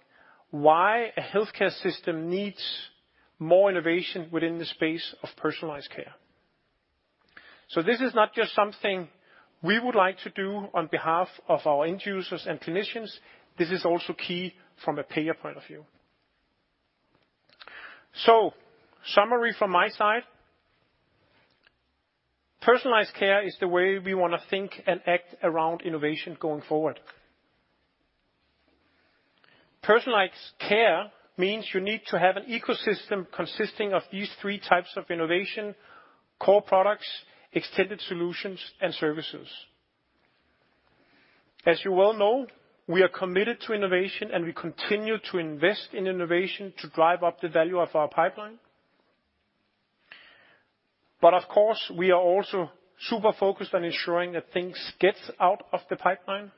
why a healthcare system needs more innovation within the space of Personalized Care. This is not just something we would like to do on behalf of our end users and clinicians, this is also key from a payer point of view. Summary from my side. Personalized Care is the way we wanna think and act around innovation going forward. Personalized Care means you need to have an ecosystem consisting of these three types of innovation, core products, extended solutions, and services. As you well know, we are committed to innovation, and we continue to invest in innovation to drive up the value of our pipeline. Of course, we are also super focused on ensuring that things gets out of the pipeline,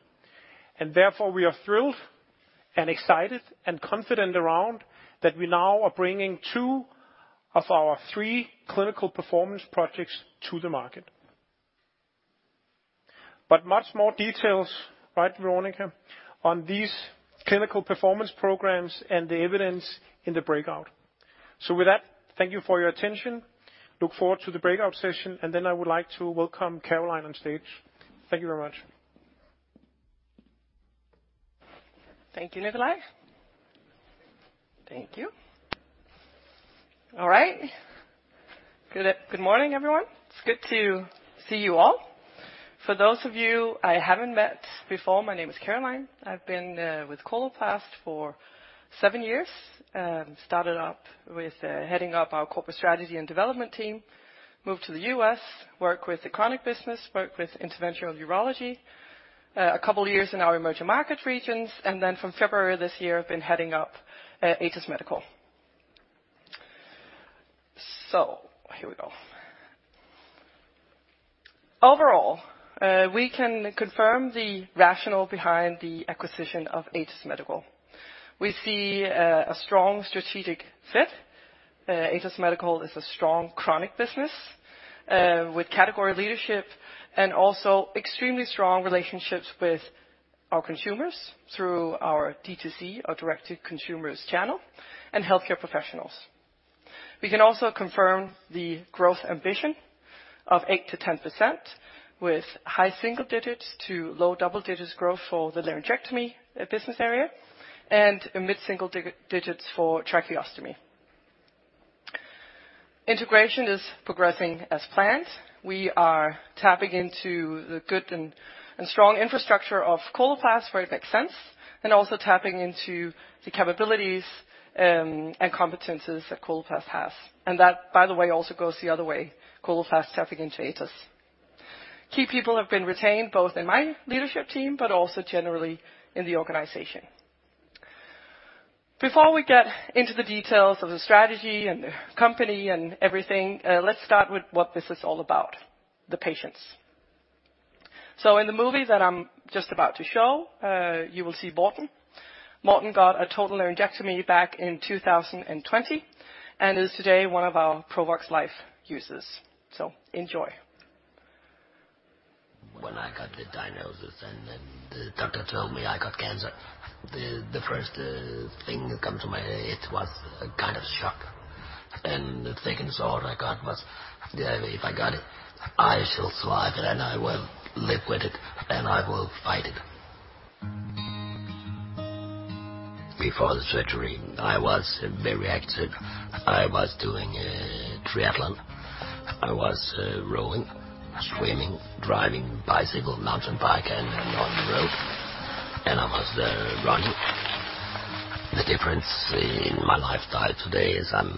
and therefore, we are thrilled and excited and confident around that we now are bringing two of our three clinical performance projects to the market. Much more details, right, Veronica? On these clinical performance programs and the evidence in the breakout. With that, thank you for your attention. Look forward to the breakout session, and then I would like to welcome Caroline on stage. Thank you very much. Thank you, Nicolai. Thank you. All right. Good morning, everyone. It's good to see you all. For those of you I haven't met before, my name is Caroline. I've been with Coloplast for seven years. Started up with heading up our corporate strategy and development team. Moved to the U.S., worked with the chronic business, worked with Interventional Urology, a couple years in our emerging market regions, and then from February this year, I've been heading up Atos Medical. Here we go. Overall, we can confirm the rationale behind the acquisition of Atos Medical. We see a strong strategic fit. Atos Medical is a strong chronic business, with category leadership and also extremely strong relationships with our consumers through our D2C, our direct to consumers channel and healthcare professionals. We can also confirm the growth ambition of 8%-10% with high single digits to low double digits growth for the Laryngectomy business area and mid-single digits for Tracheostomy. Integration is progressing as planned. We are tapping into the good and strong infrastructure of Coloplast where it makes sense, and also tapping into the capabilities and competencies that Coloplast has. That, by the way, also goes the other way, Coloplast tapping into Atos. Key people have been retained, both in my leadership team, but also generally in the organization. Before we get into the details of the strategy and the company and everything, let's start with what this is all about, the patients. In the movie that I'm just about to show, you will see Morten. Morten got a total Laryngectomy back in 2020 and is today one of our Provox Life users. Enjoy. When I got the diagnosis and then the doctor told me I got cancer, the first thing that come to my head was a kind of shock. The second thought I got was, yeah, if I got it, I shall survive, and I will live with it, and I will fight it. Before the surgery, I was very active. I was doing triathlon. I was rowing, swimming, driving bicycle, mountain bike and on the road. I was running. The difference in my lifestyle today is I'm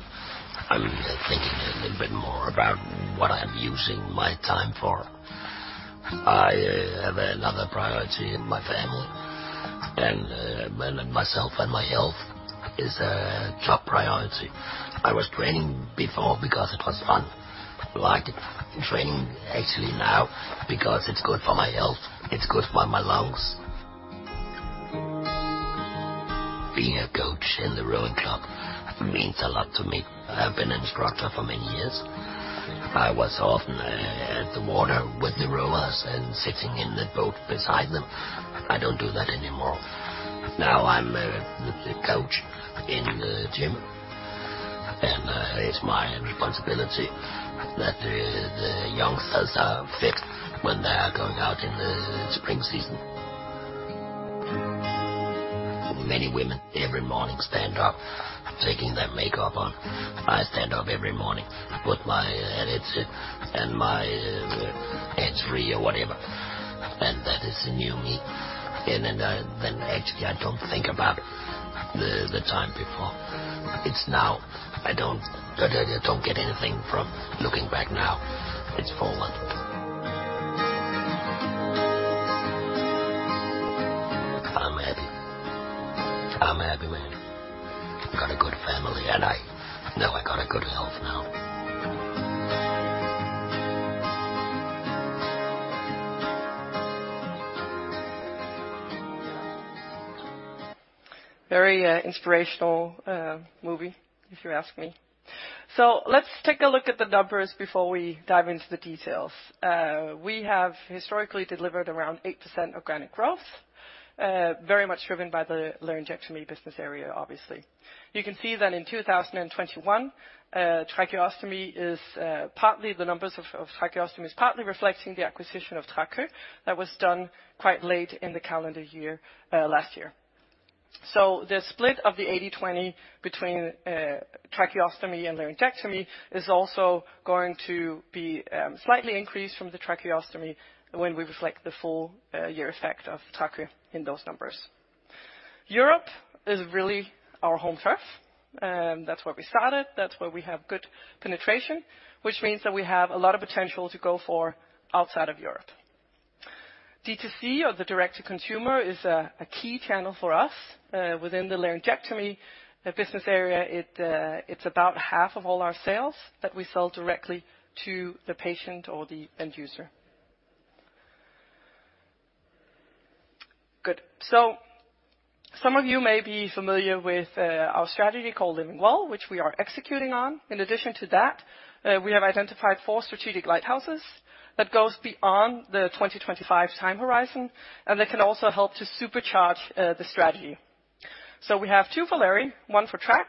thinking a little bit more about what I'm using my time for. I have another priority in my family. Myself and my health is a top priority. I was training before because it was fun. I liked it. Training actually now, because it's good for my health, it's good for my lungs. Being a coach in the rowing club means a lot to me. I've been instructor for many years. I was often at the water with the rowers and sitting in the boat beside them. I don't do that anymore. Now I'm the coach in the gym, and it's my responsibility that the youngsters are fit when they are going out in the spring season. Many women every morning stand up, taking their makeup on. I stand up every morning, put my headset and my HME or whatever, and that is the new me. Then actually I don't think about the time before. It's now. I don't get anything from looking back now. It's forward. I'm happy. I'm a happy man. Got a good family, and I know I got a good health now. Very inspirational movie, if you ask me. Let's take a look at the numbers before we dive into the details. We have historically delivered around 8% organic growth, very much driven by the Laryngectomy business area, obviously. You can see that in 2021, Tracheostomy numbers partly reflecting the acquisition of TRACOE that was done quite late in the calendar year, last year. The split of the 80/20 between Tracheostomy and Laryngectomy is also going to be slightly increased from the Tracheostomy when we reflect the full year effect of TRACOE in those numbers. Europe is really our home turf. That's where we started. That's where we have good penetration, which means that we have a lot of potential to go for outside of Europe. D2C or the direct to consumer is a key channel for us. Within the Laryngectomy business area it's about half of all our sales that we sell directly to the patient or the end user. Good. Some of you may be familiar with our strategy called Living Well, which we are executing on. In addition to that, we have identified four strategic lighthouses that goes beyond the 2025 time horizon, and they can also help to supercharge the strategy. We have two for Lary, one for Trac.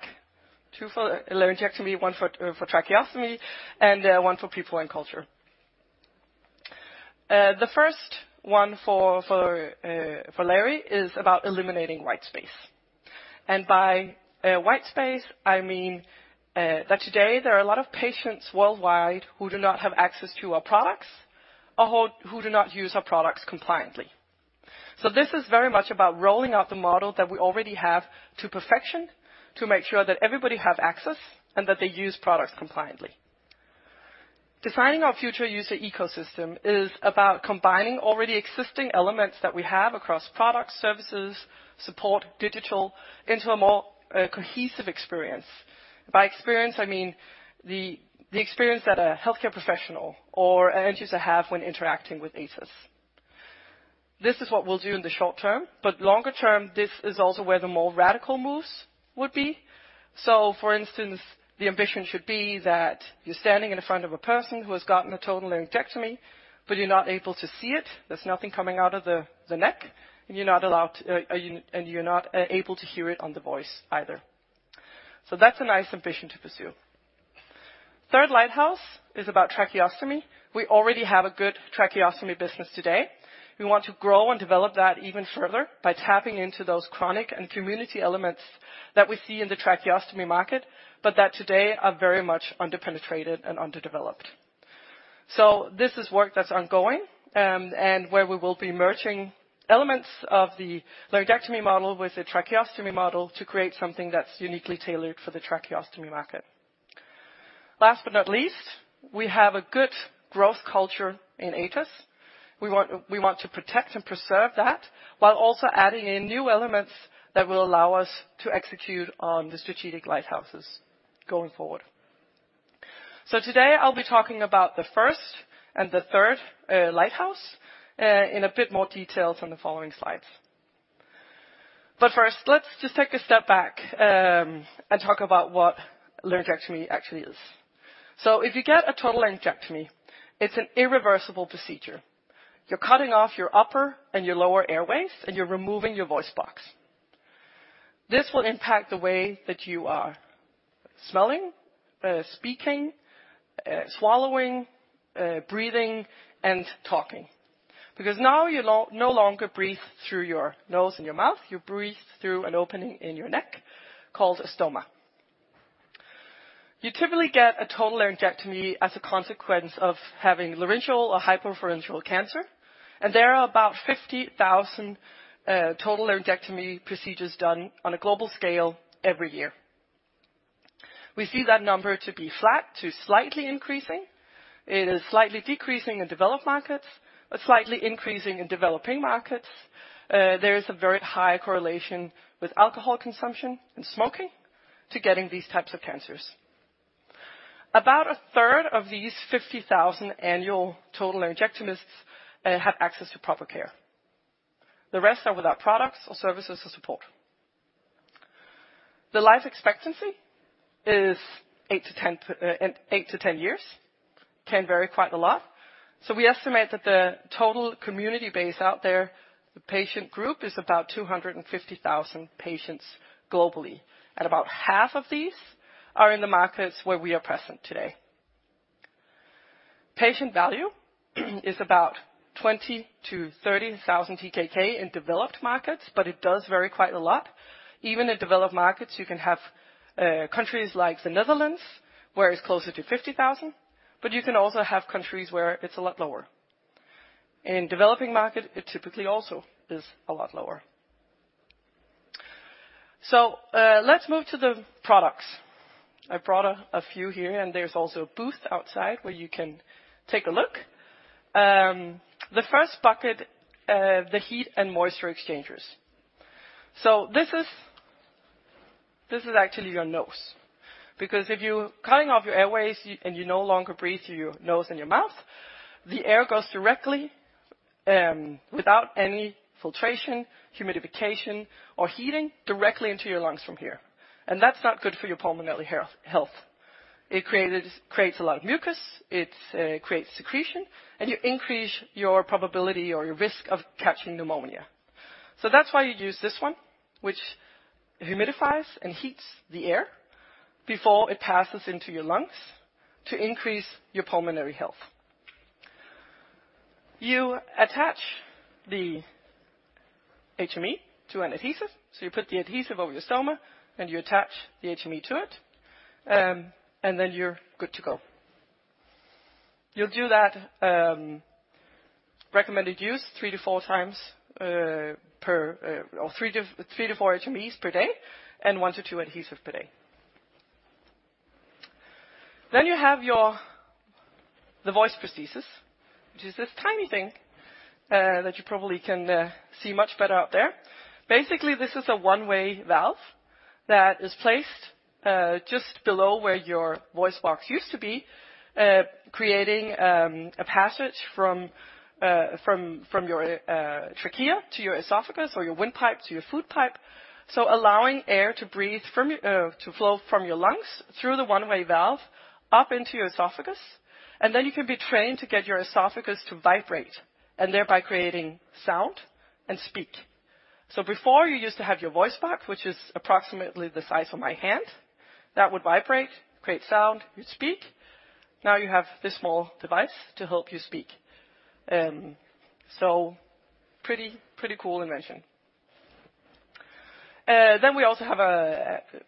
Two for Laryngectomy, one for Tracheostomy and one for people and culture. The first one for Lary is about eliminating white space. By white space, I mean that today there are a lot of patients worldwide who do not have access to our products or who do not use our products compliantly. This is very much about rolling out the model that we already have to perfection to make sure that everybody have access and that they use products compliantly. Designing our future user ecosystem is about combining already existing elements that we have across products, services, support, digital into a more cohesive experience. By experience, I mean the experience that a healthcare professional or an end user have when interacting with Atos. This is what we'll do in the short term, but longer term, this is also where the more radical moves would be. For instance, the ambition should be that you're standing in front of a person who has gotten a total Laryngectomy, but you're not able to see it. There's nothing coming out of the neck. You're not allowed, and you're not able to hear it on the voice either. That's a nice ambition to pursue. Third lighthouse is about Tracheostomy. We already have a good Tracheostomy business today. We want to grow and develop that even further by tapping into those chronic and community elements that we see in the Tracheostomy market, but that today are very much under-penetrated and underdeveloped. This is work that's ongoing, and where we will be merging elements of the Laryngectomy model with the Tracheostomy model to create something that's uniquely tailored for the Tracheostomy market. Last but not least, we have a good growth culture in Atos. We want to protect and preserve that while also adding in new elements that will allow us to execute on the strategic lighthouses going forward. Today, I'll be talking about the first and the third lighthouse in a bit more detail from the following slides. First, let's just take a step back and talk about what Laryngectomy actually is. If you get a total Laryngectomy, it's an irreversible procedure. You're cutting off your upper and your lower airways, and you're removing your voice box. This will impact the way that you are smelling, speaking, swallowing, breathing, and talking. Because now you no longer breathe through your nose and your mouth, you breathe through an opening in your neck called a stoma. You typically get a total Laryngectomy as a consequence of having Laryngeal or hypopharyngeal cancer, and there are about 50,000 total Laryngectomy procedures done on a global scale every year. We see that number to be flat to slightly increasing. It is slightly decreasing in developed markets, but slightly increasing in developing markets. There is a very high correlation with alcohol consumption and smoking to getting these types of cancers. About a third of these 50,000 annual Laryngectomies have access to proper care. The rest are without products or services or support. The life expectancy is 8-10 years. Can vary quite a lot. We estimate that the total community base out there, the patient group, is about 250,000 patients globally, and about half of these are in the markets where we are present today. Patient value is about 20,000-30,000 in developed markets, but it does vary quite a lot. Even in developed markets, you can have countries like the Netherlands, where it's closer to 50,000, but you can also have countries where it's a lot lower. In developing market, it typically also is a lot lower. Let's move to the products. I brought a few here, and there's also a booth outside where you can take a look. The first bucket, the heat and moisture exchangers. This is actually your nose, because if you're cutting off your airways, and you no longer breathe through your nose and your mouth, the air goes directly without any filtration, humidification, or heating directly into your lungs from here, and that's not good for your pulmonary health. It creates a lot of mucus, it creates secretion, and you increase your probability or your risk of catching pneumonia. That's why you use this one, which humidifies and heats the air before it passes into your lungs to increase your pulmonary health. You attach the HME to an adhesive, so you put the adhesive over your stoma, and you attach the HME to it. Then you're good to go. You'll do 3-4x 3-4 HMEs per day and one to two adhesive per day. Then you have your the voice prosthesis, which is this tiny thing that you probably can see much better out there. Basically, this is a one-way valve that is placed just below where your voice box used to be, creating a passage from your Trachea to your esophagus or your windpipe to your food pipe, so allowing air to flow from your lungs through the one-way valve up into your esophagus, and then you can be trained to get your esophagus to vibrate and thereby creating sound and speak. Before you used to have your voice box, which is approximately the size of my hand, that would vibrate, create sound, you'd speak. Now you have this small device to help you speak. Pretty, pretty cool invention. Then we also have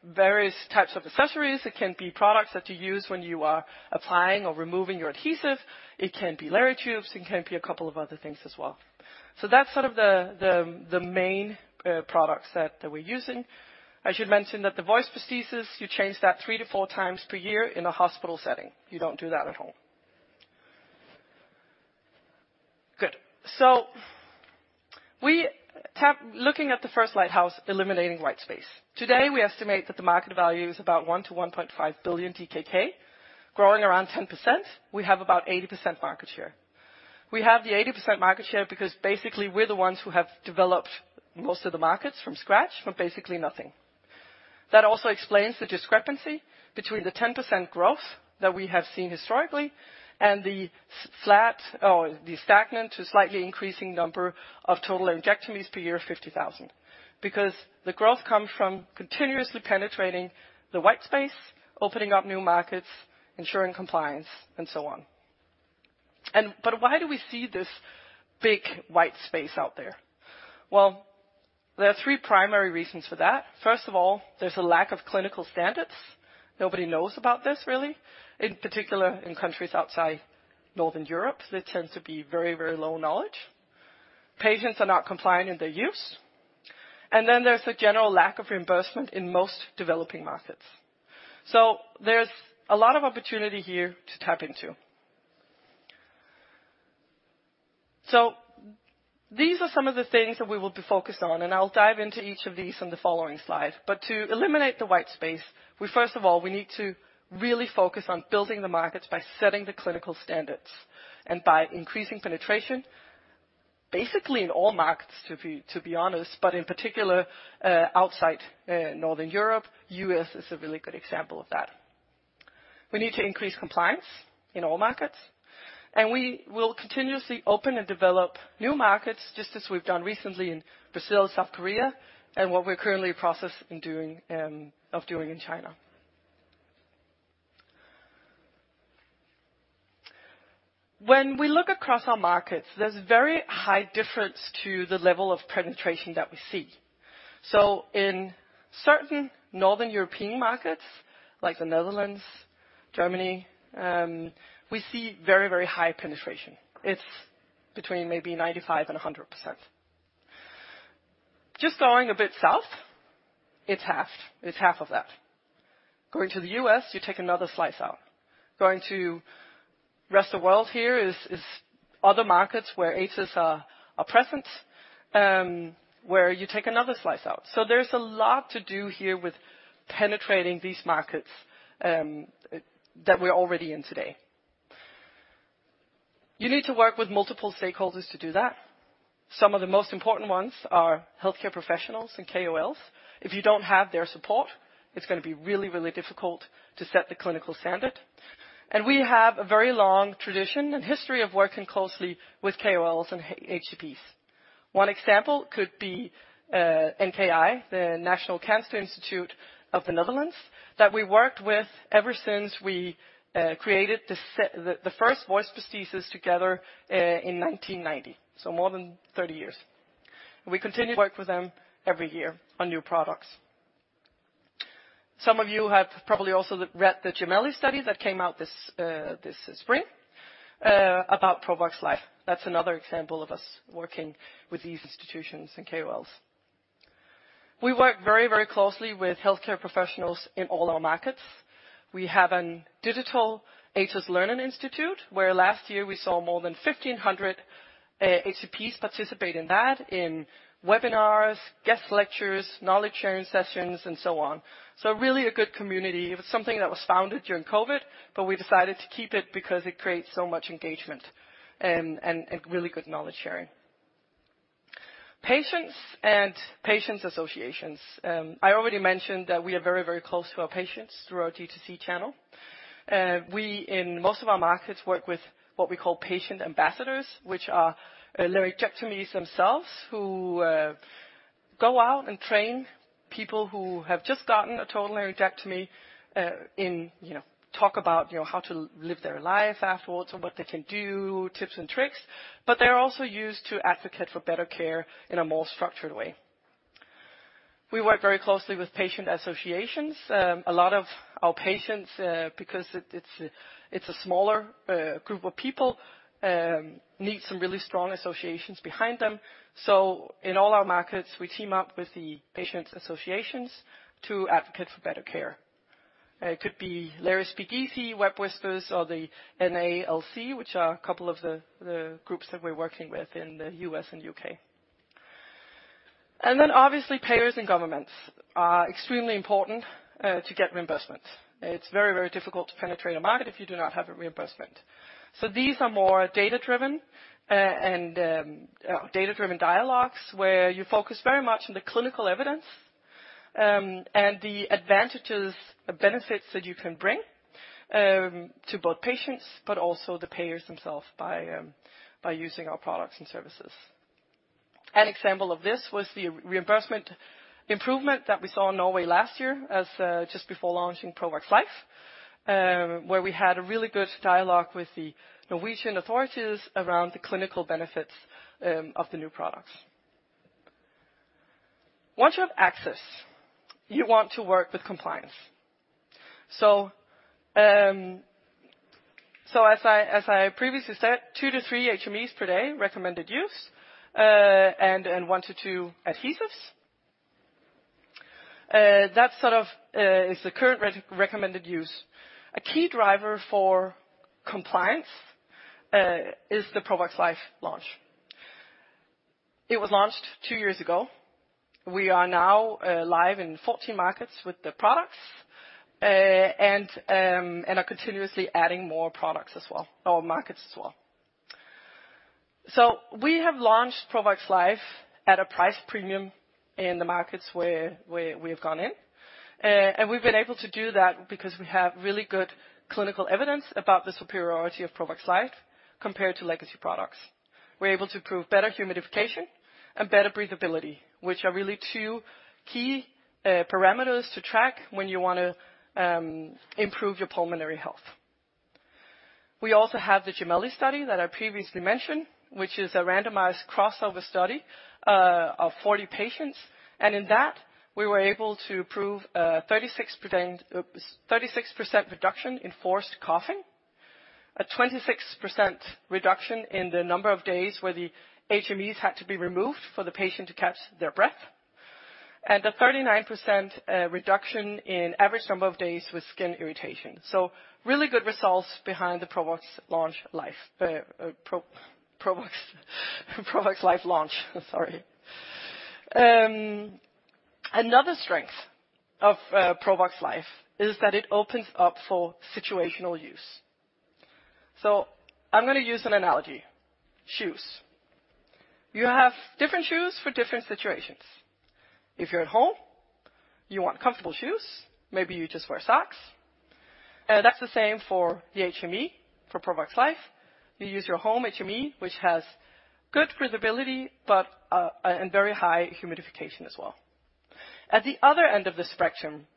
various types of accessories. It can be products that you use when you are applying or removing your adhesive. It can be Lary tubes. It can be a couple of other things as well. That's sort of the main products that we're using. I should mention that the voice prosthesis, 3-4x year in a hospital setting. You don't do that at home. Good. Looking at the first lighthouse, eliminating white space. Today, we estimate that the market value is about 1-1.5 billion DKK, growing around 10%. We have about 80% market share. We have the 80% market share because basically, we're the ones who have developed most of the markets from scratch, from basically nothing. That also explains the discrepancy between the 10% growth that we have seen historically and the 6 flat or the stagnant to slightly increasing number of total Laryngectomies per year, 50,000. Because the growth comes from continuously penetrating the white space, opening up new markets, ensuring compliance, and so on. Why do we see this big white space out there? Well, there are three primary reasons for that. First of all, there's a lack of clinical standards. Nobody knows about this really. In particular, in countries outside Northern Europe, there tends to be very, very low knowledge. Patients are not complying in their use. Then there's a general lack of reimbursement in most developing markets. There's a lot of opportunity here to tap into. These are some of the things that we will be focused on, and I'll dive into each of these on the following slide. To eliminate the white space, we first of all need to really focus on building the markets by setting the clinical standards and by increasing penetration, basically in all markets, to be honest, but in particular, outside, Northern Europe. U.S. is a really good example of that. We need to increase compliance in all markets, and we will continuously open and develop new markets just as we've done recently in Brazil, South Korea, and what we're currently in the process of doing in China. When we look across our markets, there's very high difference to the level of penetration that we see. In certain Northern European markets, like the Netherlands, Germany, we see very, very high penetration. It's between maybe 95% and 100%. Just going a bit south, it's half. It's half of that. Going to the U.S., you take another slice out. Going to rest of world here is other markets where Atos are present, where you take another slice out. There's a lot to do here with penetrating these markets that we're already in today. You need to work with multiple stakeholders to do that. Some of the most important ones are healthcare professionals and KOLs. If you don't have their support, it's gonna be really, really difficult to set the clinical standard. We have a very long tradition and history of working closely with KOLs and HCPs. One example could be NKI, the Netherlands Cancer Institute, that we worked with ever since we created the first voice prosthesis together in 1990, so more than 30 years. We continue to work with them every year on new products. Some of you have probably also read the GEMELLI study that came out this spring about Provox Life. That's another example of us working with these institutions and KOLs. We work very, very closely with healthcare professionals in all our markets. We have a digital Atos Learning Institute, where last year we saw more than 1,500 HCPs participate in that in webinars, guest lectures, knowledge sharing sessions, and so on. Really a good community. It was something that was founded during COVID, but we decided to keep it because it creates so much engagement and really good knowledge sharing. Patients and patients associations. I already mentioned that we are very, very close to our patients through our D2C channel. We in most of our markets work with what we call patient ambassadors, which are Laryngectomees themselves who go out and train people who have just gotten a total Laryngectomy, and, you know, talk about, you know, how to live their life afterwards or what they can do, tips and tricks, but they're also used to advocate for better care in a more structured way. We work very closely with patient associations. A lot of our patients, because it's a smaller group of people, need some really strong associations behind them. In all our markets, we team up with the patient associations to advocate for better care. It could be Lary's Speakeasy, WebWhispers or the NALC, which are a couple of the groups that we're working with in the U.S. and U.K. Obviously, payers and governments are extremely important to get reimbursement. It's very, very difficult to penetrate a market if you do not have a reimbursement. These are more data-driven dialogues where you focus very much on the clinical evidence and the advantages and benefits that you can bring to both patients but also the payers themselves by using our products and services. An example of this was the reimbursement improvement that we saw in Norway last year as just before launching Provox Life, where we had a really good dialogue with the Norwegian authorities around the clinical benefits of the new products. Once you have access, you want to work with compliance. As I previously said, two to three HMEs per day, recommended use, and one to two adhesives. That's sort of the current recommended use. A key driver for compliance is the Provox Life launch. It was launched two years ago. We are now live in 14 markets with the products, and are continuously adding more products as well or markets as well. We have launched Provox Life at a price premium in the markets where we have gone in. We've been able to do that because we have really good clinical evidence about the superiority of Provox Life compared to legacy products. We're able to prove better humidification and better breathability, which are really two key parameters to Track when you wanna improve your pulmonary health. We also have the GEMELLI 1 study that I previously mentioned, which is a randomized crossover study of 40 patients, and in that, we were able to prove a 36% reduction in forced coughing, a 26% reduction in the number of days where the HMEs had to be removed for the patient to catch their breath, and a 39% reduction in average number of days with skin irritation. Really good results behind the Provox Life launch. Another strength of Provox Life is that it opens up for situational use. I'm gonna use an analogy. Shoes. You have different shoes for different situations. If you're at home, you want comfortable shoes, maybe you just wear socks, and that's the same for the HME. For Provox Life, you use your home HME, which has good breathability, but, and very high humidification as well. At the other end of the spectrum,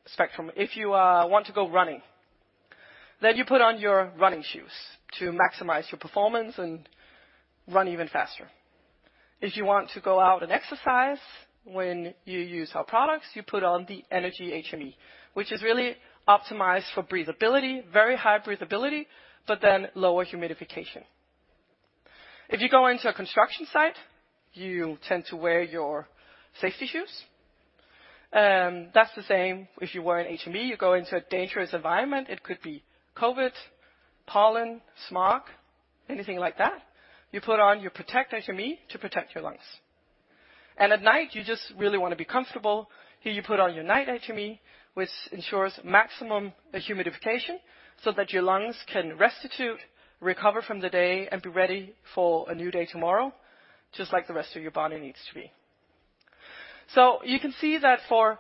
if you want to go running, then you put on your running shoes to maximize your performance and run even faster. If you want to go out and exercise, when you use our products, you put on the Energy HME, which is really optimized for breathability, very high breathability, but then lower humidification. If you go into a construction site, you tend to wear your safety shoes. That's the same if you wear an HME, you go into a dangerous environment, it could be COVID, pollen, smog, anything like that, you put on your Protect HME to protect your lungs. At night, you just really wanna be comfortable. Here you put on your Night HME, which ensures maximum humidification so that your lungs can restitute, recover from the day, and be ready for a new day tomorrow, just like the rest of your body needs to be. You can see that for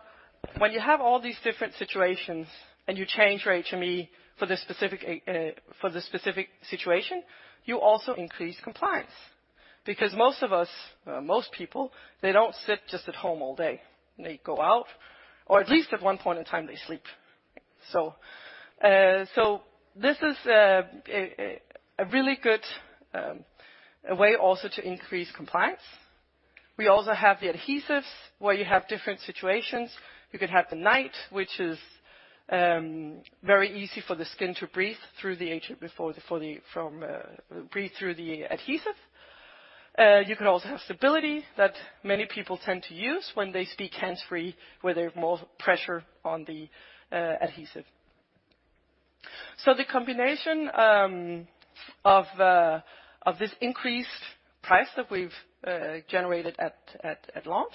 when you have all these different situations and you change your HME for the specific situation, you also increase compliance. Because most of us, most people, they don't sit just at home all day. They go out, or at least at one point in time, they sleep. This is a really good way also to increase compliance. We also have the adhesives where you have different situations. You could have the Night, which is very easy for the skin to breathe through the HME, breathe through the adhesive. You can also have stability that many people tend to use when they speak hands-free, where they have more pressure on the adhesive. The combination of this increased price that we've generated at launch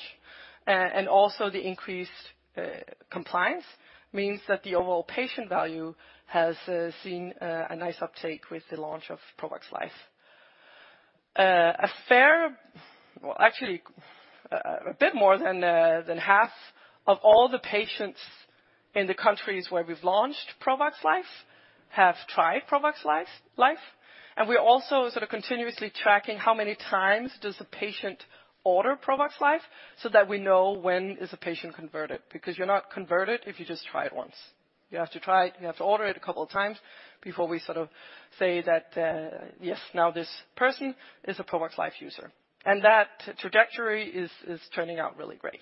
and also the increased compliance means that the overall patient value has seen a nice uptake with the launch of Provox Life. Well, actually, a bit more than half of all the patients in the countries where we've launched Provox Life have tried Provox Life. We're also sort of continuously Tracking how many times does a patient order Provox Life, so that we know when is a patient converted, because you're not converted if you just try it once. You have to try it, you have to order it a couple of times before we sort of say that, yes, now this person is a Provox Life user. That trajectory is turning out really great.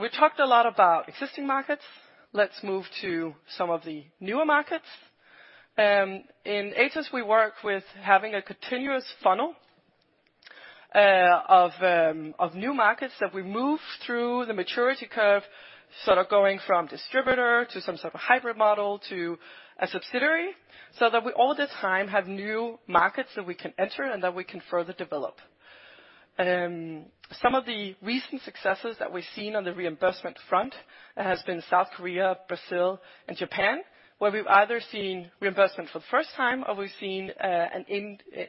We talked a lot about existing markets. Let's move to some of the newer markets. In Atos, we work with having a continuous funnel of new markets that we move through the maturity curve, sort of going from distributor to some sort of hybrid model to a subsidiary, so that we all the time have new markets that we can enter and that we can further develop. Some of the recent successes that we've seen on the reimbursement front has been South Korea, Brazil, and Japan, where we've either seen reimbursement for the first time or we've seen an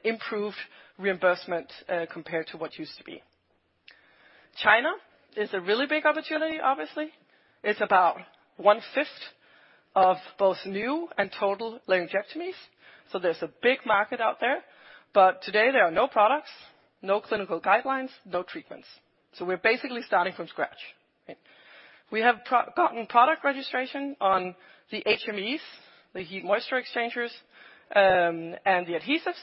improved reimbursement compared to what used to be. China is a really big opportunity, obviously. It's about one-fifth of both new and total Laryngectomies, so there's a big market out there. Today, there are no products, no clinical guidelines, no treatments. We're basically starting from scratch, right? We have gotten product registration on the HMEs, the heat moisture exchangers, and the adhesives.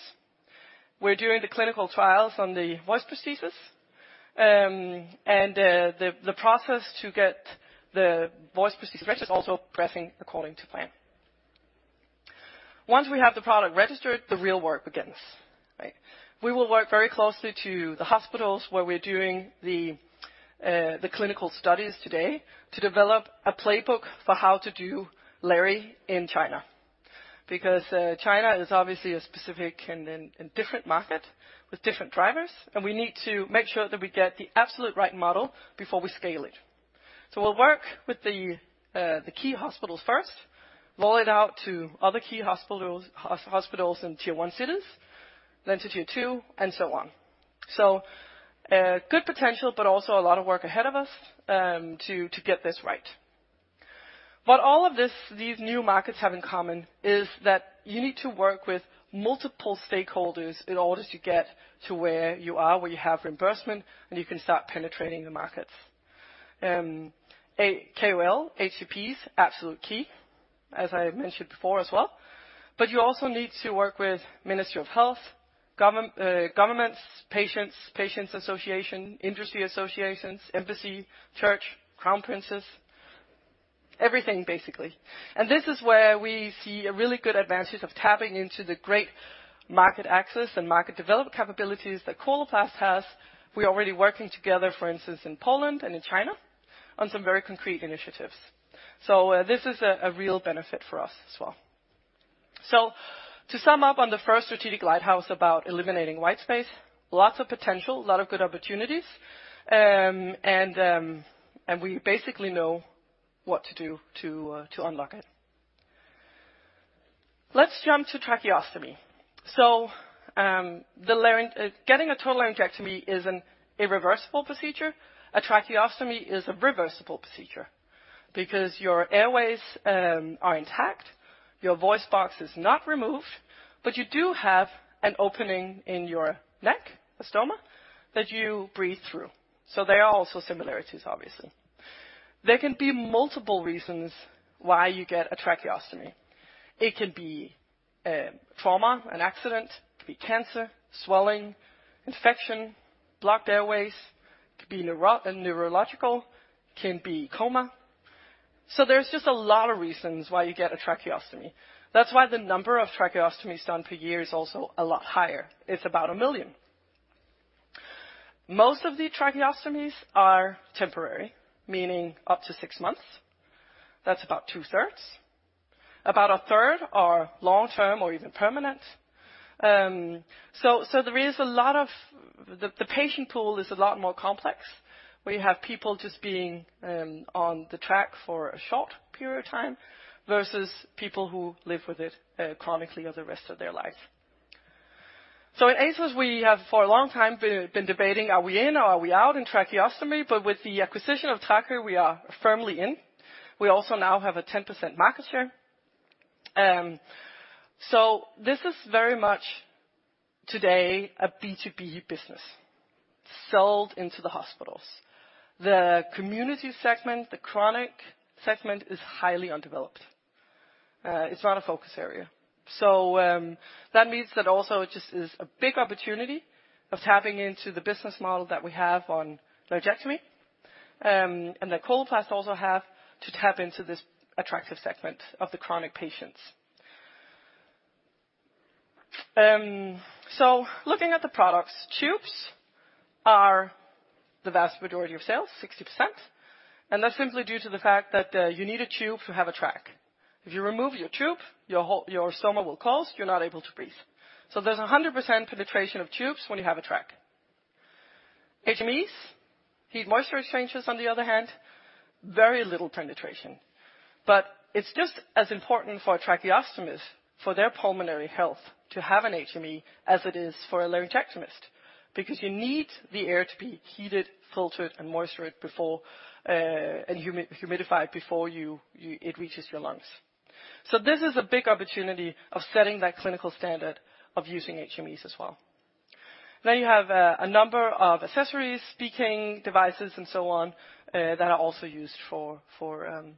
We're doing the clinical trials on the voice prosthesis. The process to get the voice prosthesis registered is also progressing according to plan. Once we have the product registered, the real work begins, right? We will work very closely to the hospitals where we're doing the clinical studies today to develop a playbook for how to do Lary in China, because China is obviously a specific and different market with different drivers, and we need to make sure that we get the absolute right model before we scale it. We'll work with the key hospitals first, roll it out to other key hospitals in tier one cities, then to tier two, and so on. Good potential, but also a lot of work ahead of us, to get this right. What all of these new markets have in common is that you need to work with multiple stakeholders in order to get to where you are, where you have reimbursement, and you can start penetrating the markets. KOL, HCPs, absolute key, as I mentioned before as well. You also need to work with Ministry of Health, governments, patients association, industry associations, embassy, church, crown princes, everything basically. This is where we see a really good advantage of tapping into the great market access and market development capabilities that Coloplast has. We're already working together, for instance, in Poland and in China, on some very concrete initiatives. This is a real benefit for us as well. To sum up on the first strategic lighthouse about eliminating white space, lots of potential, a lot of good opportunities, and we basically know what to do to unlock it. Let's jump to Tracheostomy. Getting a total Laryngectomy is an irreversible procedure. A Tracheostomy is a reversible procedure because your airways, are intact, your voice box is not removed, but you do have an opening in your neck, a stoma, that you breathe through. There are also similarities, obviously. There can be multiple reasons why you get a Tracheostomy. It can be, trauma, an accident, it could be cancer, swelling, infection, blocked airways, it could be a neurological, can be coma. There's just a lot of reasons why you get a Tracheostomy. That's why the number of Tracheostomies done per year is also a lot higher. It's about 1 million. Most of the Tracheostomies are temporary, meaning up to six months. That's about two-thirds. About a third are long-term or even permanent. There is a lot of. The patient pool is a lot more complex, where you have people just being on the Trach for a short period of time versus people who live with it chronically or the rest of their life. In Atos, we have for a long time been debating, are we in or are we out in Tracheostomy? With the acquisition of TRACOE, we are firmly in. We also now have a 10% market share. This is very much today a B2B business sold into the hospitals. The community segment, the chronic segment, is highly undeveloped. It's not a focus area. That means that also it just is a big opportunity of tapping into the business model that we have on Laryngectomy, and that Coloplast also have to tap into this atTractive segment of the chronic patients. Looking at the products, tubes are the vast majority of sales, 60%, and that's simply due to the fact that you need a tube to have a Trach. If you remove your tube, your stoma will close, you're not able to breathe. There's 100% penetration of tubes when you have a Trach. HMEs, heat and moisture exchangers, on the other hand, very little penetration. But it's just as important for a Tracheostomist, for their pulmonary health to have an HME as it is for a Laryngectomist, because you need the air to be heated, filtered, and moisturized before and humidified before it reaches your lungs. This is a big opportunity of setting that clinical standard of using HMEs as well. You have a number of accessories, speaking devices and so on, that are also used for Tracheostomy.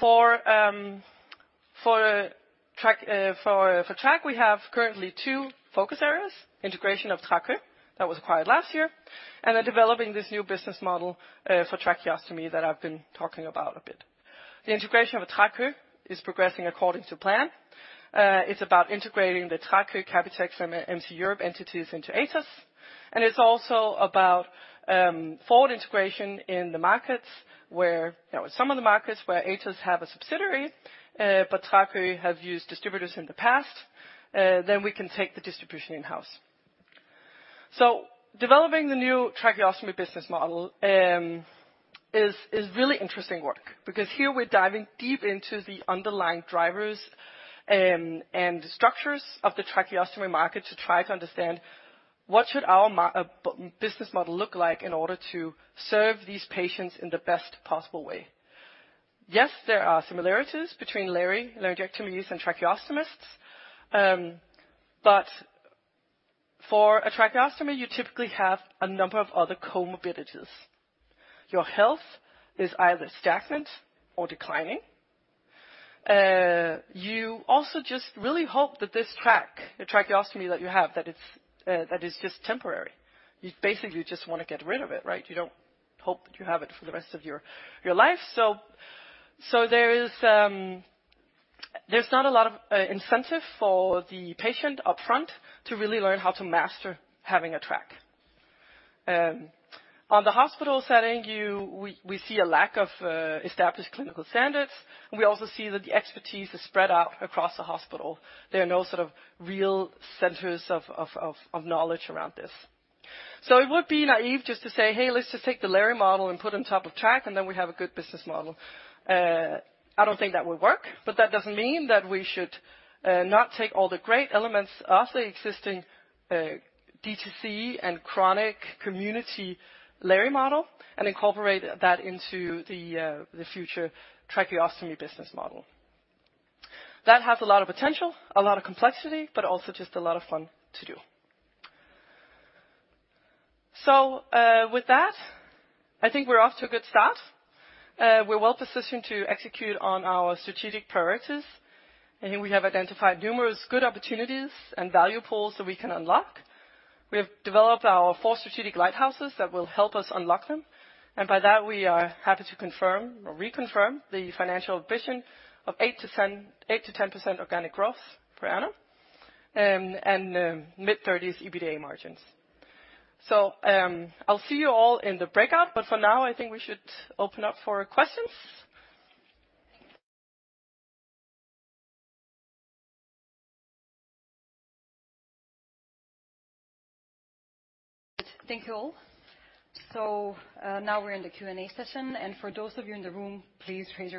For Trach, we have currently two focus areas, integration of Tracoe, that was acquired last year, and then developing this new business model for Tracheostomy that I've been talking about a bit. The integration of Tracoe is progressing according to plan. It's about integrating the Tracoe, Kapitex, and MC Europe entities into Atos. It's also about forward integration in the markets where, you know, some of the markets where Atos have a subsidiary, but Tracoe have used distributors in the past, then we can take the distribution in-house. Developing the new Tracheostomy business model is really interesting work because here we're diving deep into the underlying drivers and structures of the Tracheostomy market to try to understand what should our business model look like in order to serve these patients in the best possible way. Yes, there are similarities between Laryngectomies and Tracheostomies, but for a Tracheostomy, you typically have a number of other comorbidities. Your health is either stagnant or declining. You also just really hope that this Trach, the Tracheostomy that you have, that it's just temporary. You basically just wanna get rid of it, right? You don't hope that you have it for the rest of your life. There is not a lot of incentive for the patient upfront to really learn how to master having a Trach. In the hospital setting, we see a lack of established clinical standards, and we also see that the expertise is spread out across the hospital. There are no sort of real centers of knowledge around this. It would be naive just to say, "Hey, let's just take the LARI model and put on top of Trach, and then we have a good business model." I don't think that would work, but that doesn't mean that we should not take all the great elements of the existing D2C and chronic community LARI model and incorporate that into the future Tracheostomy business model. That has a lot of potential, a lot of complexity, but also just a lot of fun to do. With that, I think we're off to a good start. We're well-positioned to execute on our strategic priorities. Here we have identified numerous good opportunities and value pools that we can unlock. We have developed our four strategic lighthouses that will help us unlock them. By that, we are happy to confirm or reconfirm the financial vision of 8%-10% organic growth per annum and mid-30s EBITDA margins. I'll see you all in the breakout, but for now, I think we should open up for questions. Thank you all. Now we're in the Q&A session. For those of you in the room, please raise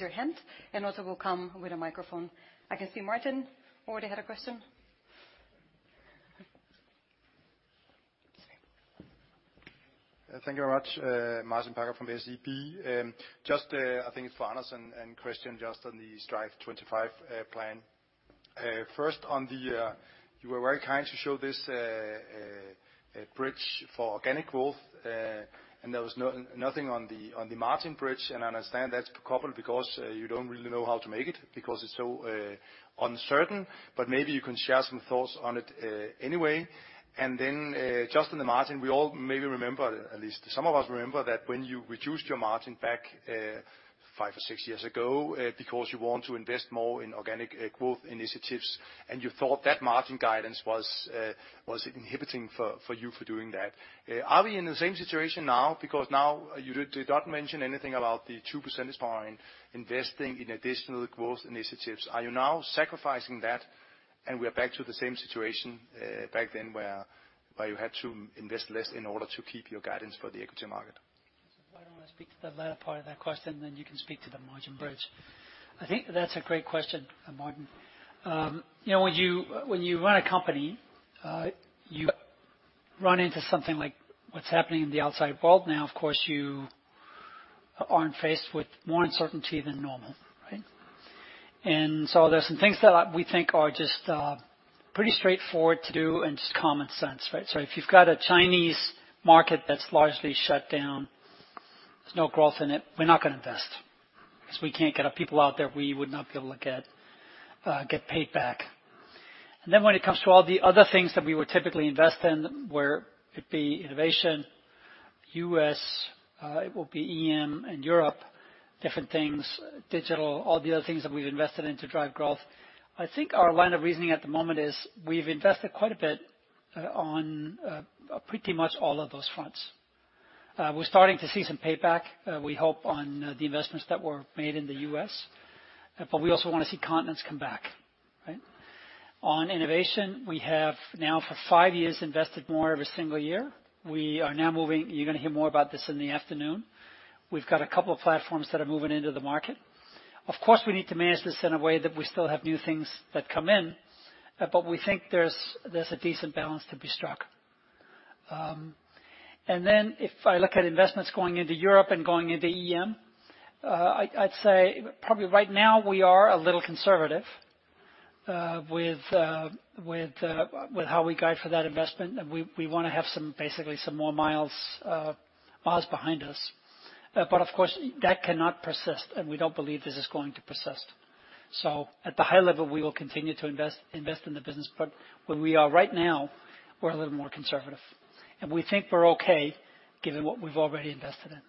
your hand, and also we'll come with a microphone. I can see Martin already had a question. Thank you very much. Martin Parkhøi from SEB. I think it's for Anders and Kristian, just on the Strive25 plan. First on the, you were very kind to show this bridge for organic growth, and there was nothing on the margin bridge. I understand that's probably because you don't really know how to make it because it's so uncertain, but maybe you can share some thoughts on it anyway. Then, just on the margin, we all maybe remember, at least some of us remember that when you reduced your margin back five or six years ago, because you want to invest more in organic growth initiatives, and you thought that margin guidance was inhibiting for you for doing that. Are we in the same situation now? Because now you did not mention anything about the 2% is fine, investing in additional growth initiatives. Are you now sacrificing that and we are back to the same situation, back then where you had to invest less in order to keep your guidance for the equity market? Why don't I speak to the latter part of that question, then you can speak to the margin bridge. Yes. I think that's a great question, Martin. You know, when you run a company, you run into something like what's happening in the outside world now, of course, you are faced with more uncertainty than normal, right? There's some things that we think are just pretty straightforward to do and just common sense, right? If you've got a Chinese market that's largely shut down, there's no growth in it, we're not gonna invest because we can't get our people out there. We would not be able to get paid back. When it comes to all the other things that we would typically invest in, whether it be innovation, U.S., it will be EM and Europe, different things, digital, all the other things that we've invested in to drive growth. I think our line of reasoning at the moment is we've invested quite a bit on pretty much all of those fronts. We're starting to see some payback, we hope on the investments that were made in the U.S., but we also wanna see continence come back, right? On innovation, we have now for five years invested more every single year. We are now moving. You're gonna hear more about this in the afternoon. We've got a couple of platforms that are moving into the market. Of course, we need to manage this in a way that we still have new things that come in, but we think there's a decent balance to be struck. If I look at investments going into Europe and going into EM, I'd say probably right now we are a little conservative with how we guide for that investment. We wanna have basically some more miles behind us. Of course, that cannot persist, and we don't believe this is going to persist. At the high level, we will continue to invest in the business. Where we are right now, we're a little more conservative, and we think we're okay given what we've already invested in.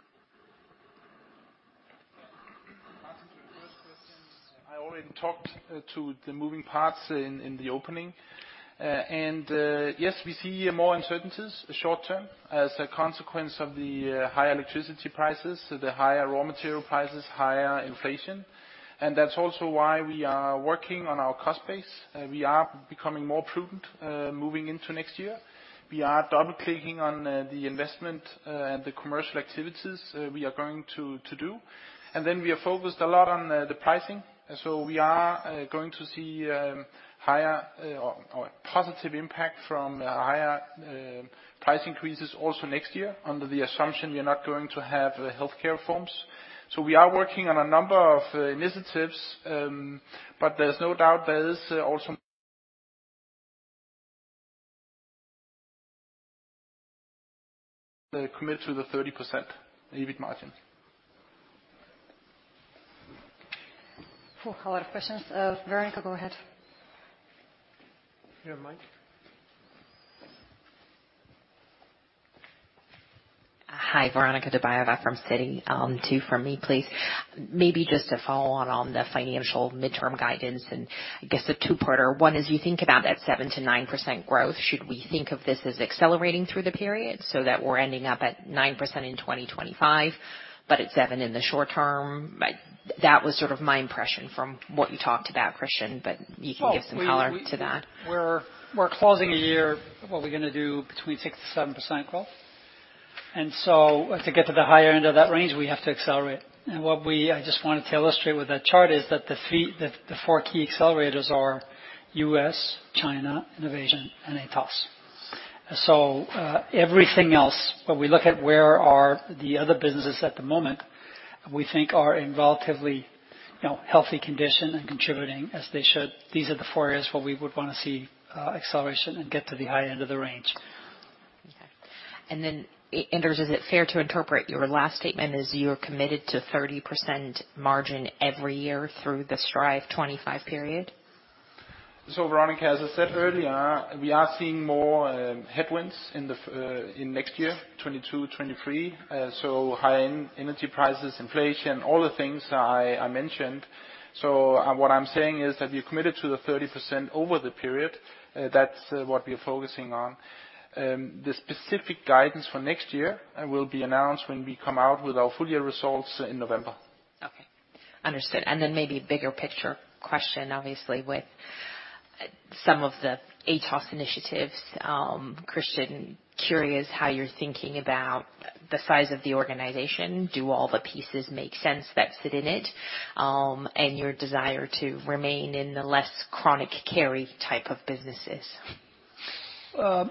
Answering your first question, I already talked to the moving parts in the opening. Yes, we see more uncertainties short term as a consequence of the higher electricity prices, the higher raw material prices, higher inflation. That's also why we are working on our cost base. We are becoming more prudent moving into next year. We are double-clicking on the investment and the commercial activities we are going to do. We are focused a lot on the pricing. We are going to see higher or positive impact from higher price increases also next year under the assumption you're not going to have healthcare reforms. We are working on a number of initiatives, but there's no doubt there is also commitment to the 30% EBIT margin. A lot of questions. Veronika, go ahead. You have mic. Hi, Veronika Dubajova from Citi. Two from me, please. Maybe just to follow on the financial midterm guidance and I guess a two-parter. One, as you think about that 7%-9% growth, should we think of this as accelerating through the period so that we're ending up at 9% in 2025, but at 7% in the short term? Like, that was sort of my impression from what you talked about, Kristian, but you can give some color to that. We're closing the year with what we're gonna do between 6%-7% growth. To get to the higher end of that range, we have to accelerate. I just wanted to illustrate with that chart is that the four key accelerators are U.S., China, innovation, and Atos. Everything else, when we look at where are the other businesses at the moment, we think are in relatively, you know, healthy condition and contributing as they should. These are the four areas where we would wanna see acceleration and get to the high end of the range. Okay. Anders, is it fair to interpret your last statement as you're committed to 30% margin every year through the Strive25 period? Veronica, as I said earlier, we are seeing more headwinds in next year, 2022, 2023. High energy prices, inflation, all the things I mentioned. What I'm saying is that we're committed to the 30% over the period. That's what we're focusing on. The specific guidance for next year will be announced when we come out with our full year results in November. Okay. Understood. Maybe a bigger picture question, obviously, with some of the Atos initiatives, Kristian, curious how you're thinking about the size of the organization. Do all the pieces make sense that sit in it, and your desire to remain in the less Chronic Care type of businesses? Are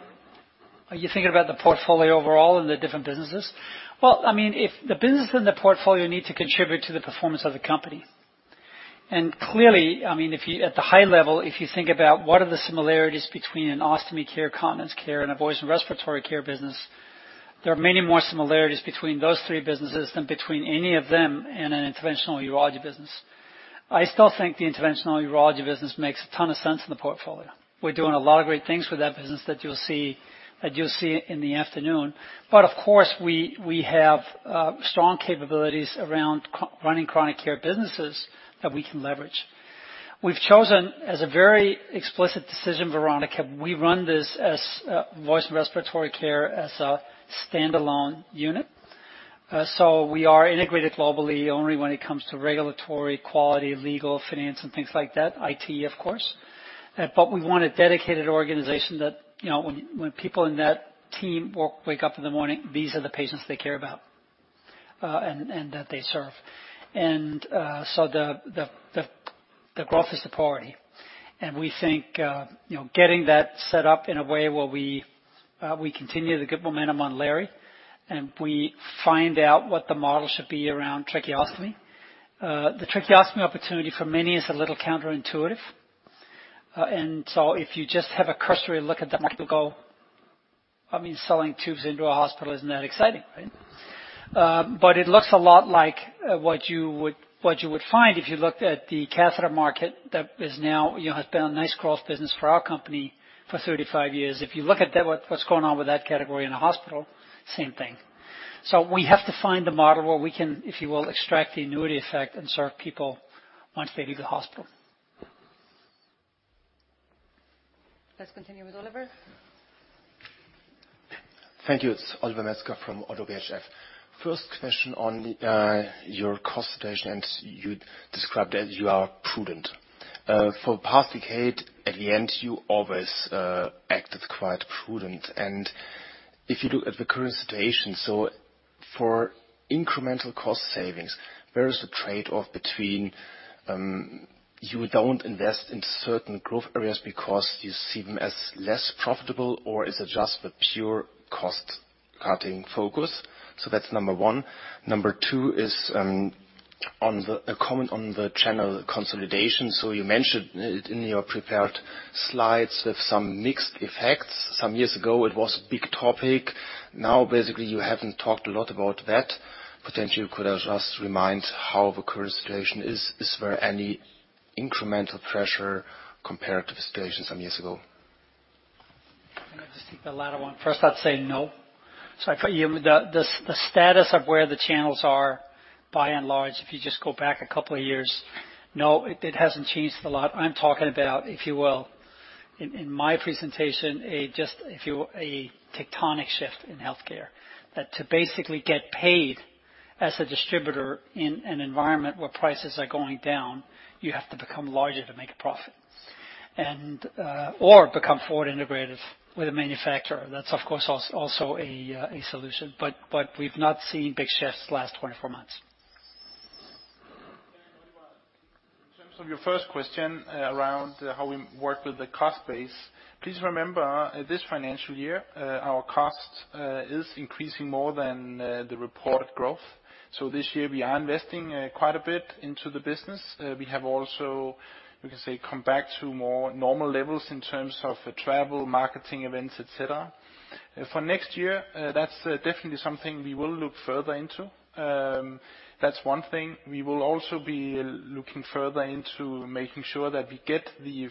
you thinking about the portfolio overall and the different businesses? Well, I mean, if the business and the portfolio need to contribute to the performance of the company. Clearly, I mean, if you at the high level, if you think about what are the similarities between an Ostomy Care, Continence Care, and a Voice and Respiratory Care business, there are many more similarities between those three businesses than between any of them in an Interventional Urology business. I still think the Interventional Urology business makes a ton of sense in the portfolio. We're doing a lot of great things with that business that you'll see in the afternoon. Of course, we have strong capabilities around running chronic care businesses that we can leverage. We've chosen, as a very explicit decision, Veronica, we run this as Voice and Respiratory Care as a standalone unit. So we are integrated globally only when it comes to regulatory, quality, legal, finance, and things like that, IT, of course. But we want a dedicated organization that, you know, when people in that team wake up in the morning, these are the patients they care about, and that they serve. So the growth is the priority. We think, you know, getting that set up in a way where we continue the good momentum on Lary, and we find out what the model should be around Tracheostomy. The Tracheostomy opportunity for many is a little counterintuitive. If you just have a cursory look at the market, you'll go, "I mean, selling tubes into a hospital isn't that exciting, right?" But it looks a lot like what you would find if you looked at the catheter market that is now, you know, has been a nice growth business for our company for 35 years. If you look at that, what's going on with that category in a hospital, same thing. We have to find a model where we can, if you will, exTract the annuity effect and serve people once they leave the hospital. Let's continue with Oliver. Thank you. It's Oliver Metzger from Oddo BHF. First question on your cost situation, you described as you are prudent. For the past decade, at the end, you always acted quite prudent. If you look at the current situation, for incremental cost savings, where is the trade-off between you don't invest in certain growth areas because you see them as less profitable, or is it just the pure cost-cutting focus? That's number one. Number two is on a comment on the channel consolidation. You mentioned it in your prepared slides with some mixed effects. Some years ago, it was a big topic. Now, basically, you haven't talked a lot about that. Potentially, could I just remind how the current situation is. Is there any incremental pressure compared to the situation some years ago? Can I just take the latter one first? I'd say no. The status of where the channels are, by and large, if you just go back a couple of years, no, it hasn't changed a lot. I'm talking about, if you will, in my presentation, just a tectonic shift in healthcare. That to basically get paid as a distributor in an environment where prices are going down, you have to become larger to make a profit. Or become forward integrated with a manufacturer. That's, of course, also a solution. We've not seen big shifts the last 24 months. Your first question around how we work with the cost base, please remember, this financial year, our cost is increasing more than the reported growth. This year we are investing quite a bit into the business. We have also, we can say, come back to more normal levels in terms of travel, marketing events, etc.. For next year, that's definitely something we will look further into. That's one thing. We will also be looking further into making sure that we get the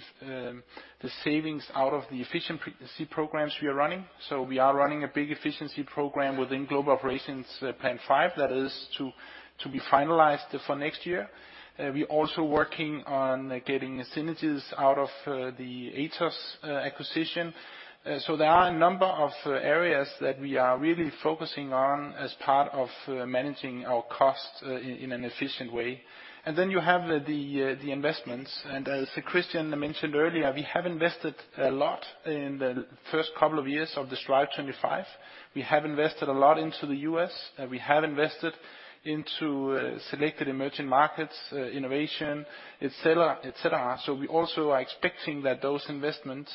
savings out of the efficiency programs we are running. We are running a big efficiency program within Global Operations Plan 5, that is to be finalized for next year. We're also working on getting synergies out of the Atos acquisition. There are a number of areas that we are really focusing on as part of managing our costs in an efficient way. You have the investments. As Kristian mentioned earlier, we have invested a lot in the first couple of years of the Strive25. We have invested a lot into the U.S., we have invested into selected emerging markets, innovation, etc., etc.. We also are expecting that those investments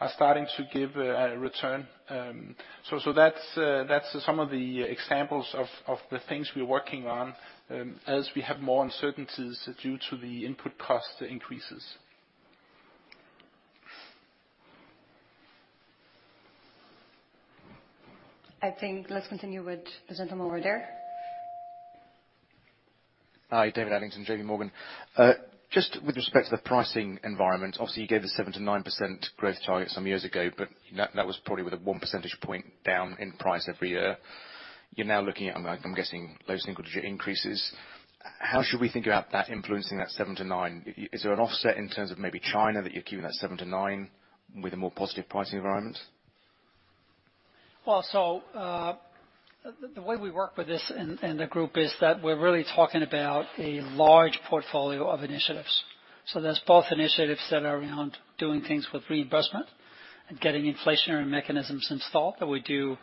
are starting to give a return. That's some of the examples of the things we're working on as we have more uncertainties due to the input cost increases. I think let's continue with the gentleman over there. Hi, David Adlington, JP Morgan. Just with respect to the pricing environment, obviously you gave the 7%-9% growth target some years ago, but that was probably with a one percentage point down in price every year. You're now looking at, I'm guessing low single-digit increases. How should we think about that influencing that 7%-9%? Is there an offset in terms of maybe China that you're keeping that 7%-9% with a more positive pricing environment? Well, the way we work with this in the group is that we're really talking about a large portfolio of initiatives. There's both initiatives that are around doing things with reimbursement and getting inflationary mechanisms installed that we do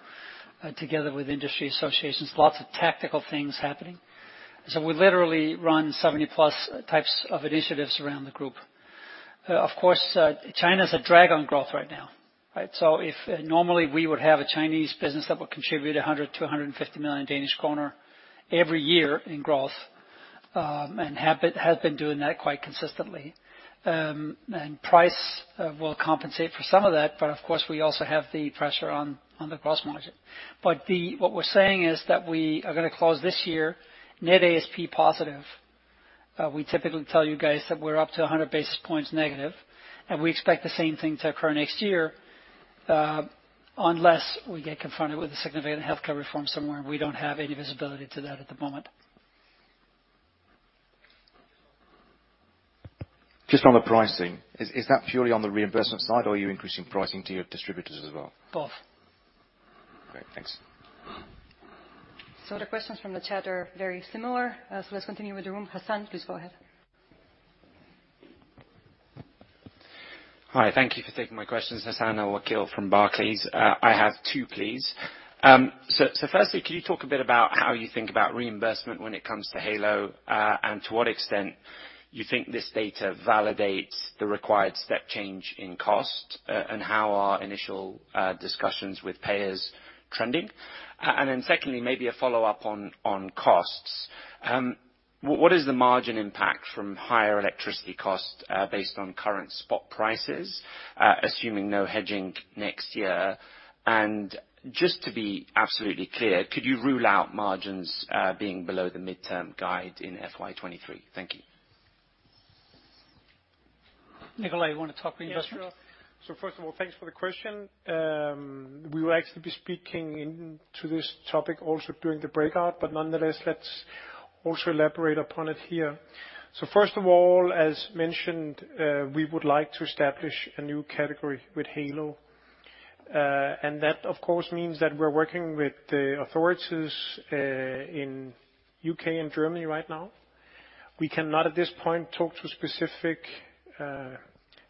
together with industry associations, lots of tactical things happening. We literally run 70+ types of initiatives around the group. Of course, China's a drag on growth right now, right? If normally we would have a Chinese business that would contribute 100 million-150 million Danish kroner every year in growth, and have been doing that quite consistently. Price will compensate for some of that. But of course, we also have the pressure on the gross margin. The... What we're saying is that we are gonna close this year net ASP positive. We typically tell you guys that we're up to 100 basis points negative, and we expect the same thing to occur next year, unless we get confronted with a significant healthcare reform somewhere, and we don't have any visibility to that at the moment. Just on the pricing, is that purely on the reimbursement side, or are you increasing pricing to your distributors as well? Both. Great. Thanks. The questions from the chat are very similar. Let's continue with the room. Hassan, please go ahead. Hi, thank you for taking my questions. Hassan Al-Wakeel from Barclays. I have two, please. Firstly, can you talk a bit about how you think about reimbursement when it comes to Heylo, and to what extent you think this data validates the required step change in cost, and how are initial discussions with payers trending? Secondly, maybe a follow-up on costs. What is the margin impact from higher electricity costs, based on current spot prices, assuming no hedging next year? Just to be absolutely clear, could you rule out margins being below the midterm guide in FY 2023? Thank you. Nicolai, you wanna talk reimbursement? Yeah, sure. First of all, thanks for the question. We will actually be speaking into this topic also during the breakout, but nonetheless, let's also elaborate upon it here. First of all, as mentioned, we would like to establish a new category with Heylo. That of course means that we're working with the authorities in U.K. and Germany right now. We cannot at this point talk to specific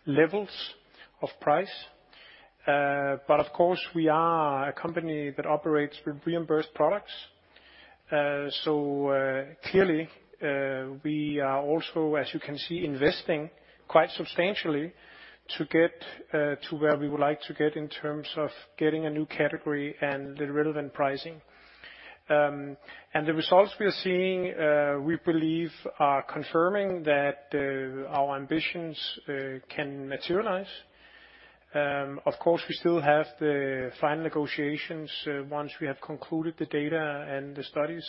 levels of price. Of course, we are a company that operates with reimbursed products. Clearly, we are also, as you can see, investing quite substantially to get to where we would like to get in terms of getting a new category and the relevant pricing. The results we are seeing, we believe are confirming that our ambitions can materialize. Of course, we still have the final negotiations once we have concluded the data and the studies,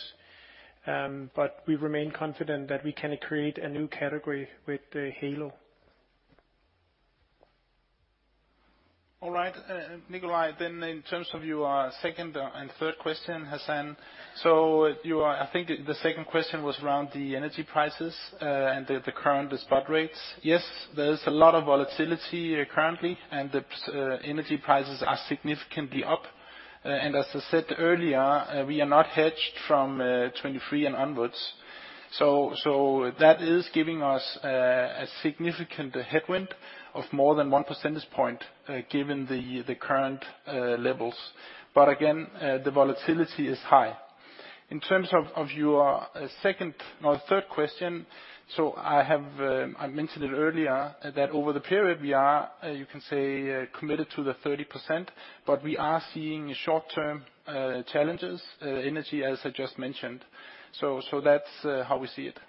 but we remain confident that we can create a new category with Heylo. All right. Nicolai, then in terms of your second and third question, Hassan. I think the second question was around the energy prices, and the current spot rates. Yes, there is a lot of volatility currently, and the energy prices are significantly up. And as I said earlier, we are not hedged from 2023 and onwards. That is giving us a significant headwind of more than 1 percentage point, given the current levels. But again, the volatility is high. In terms of your second or third question, I mentioned it earlier, that over the period we are, you can say, committed to the 30%, but we are seeing short-term challenges, energy, as I just mentioned. That's how we see it.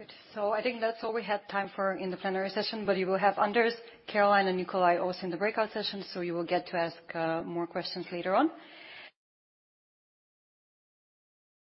Good. I think that's all we have time for in the plenary session, but you will have Anders, Caroline, and Nicolai also in the breakout session. You will get to ask more questions later on.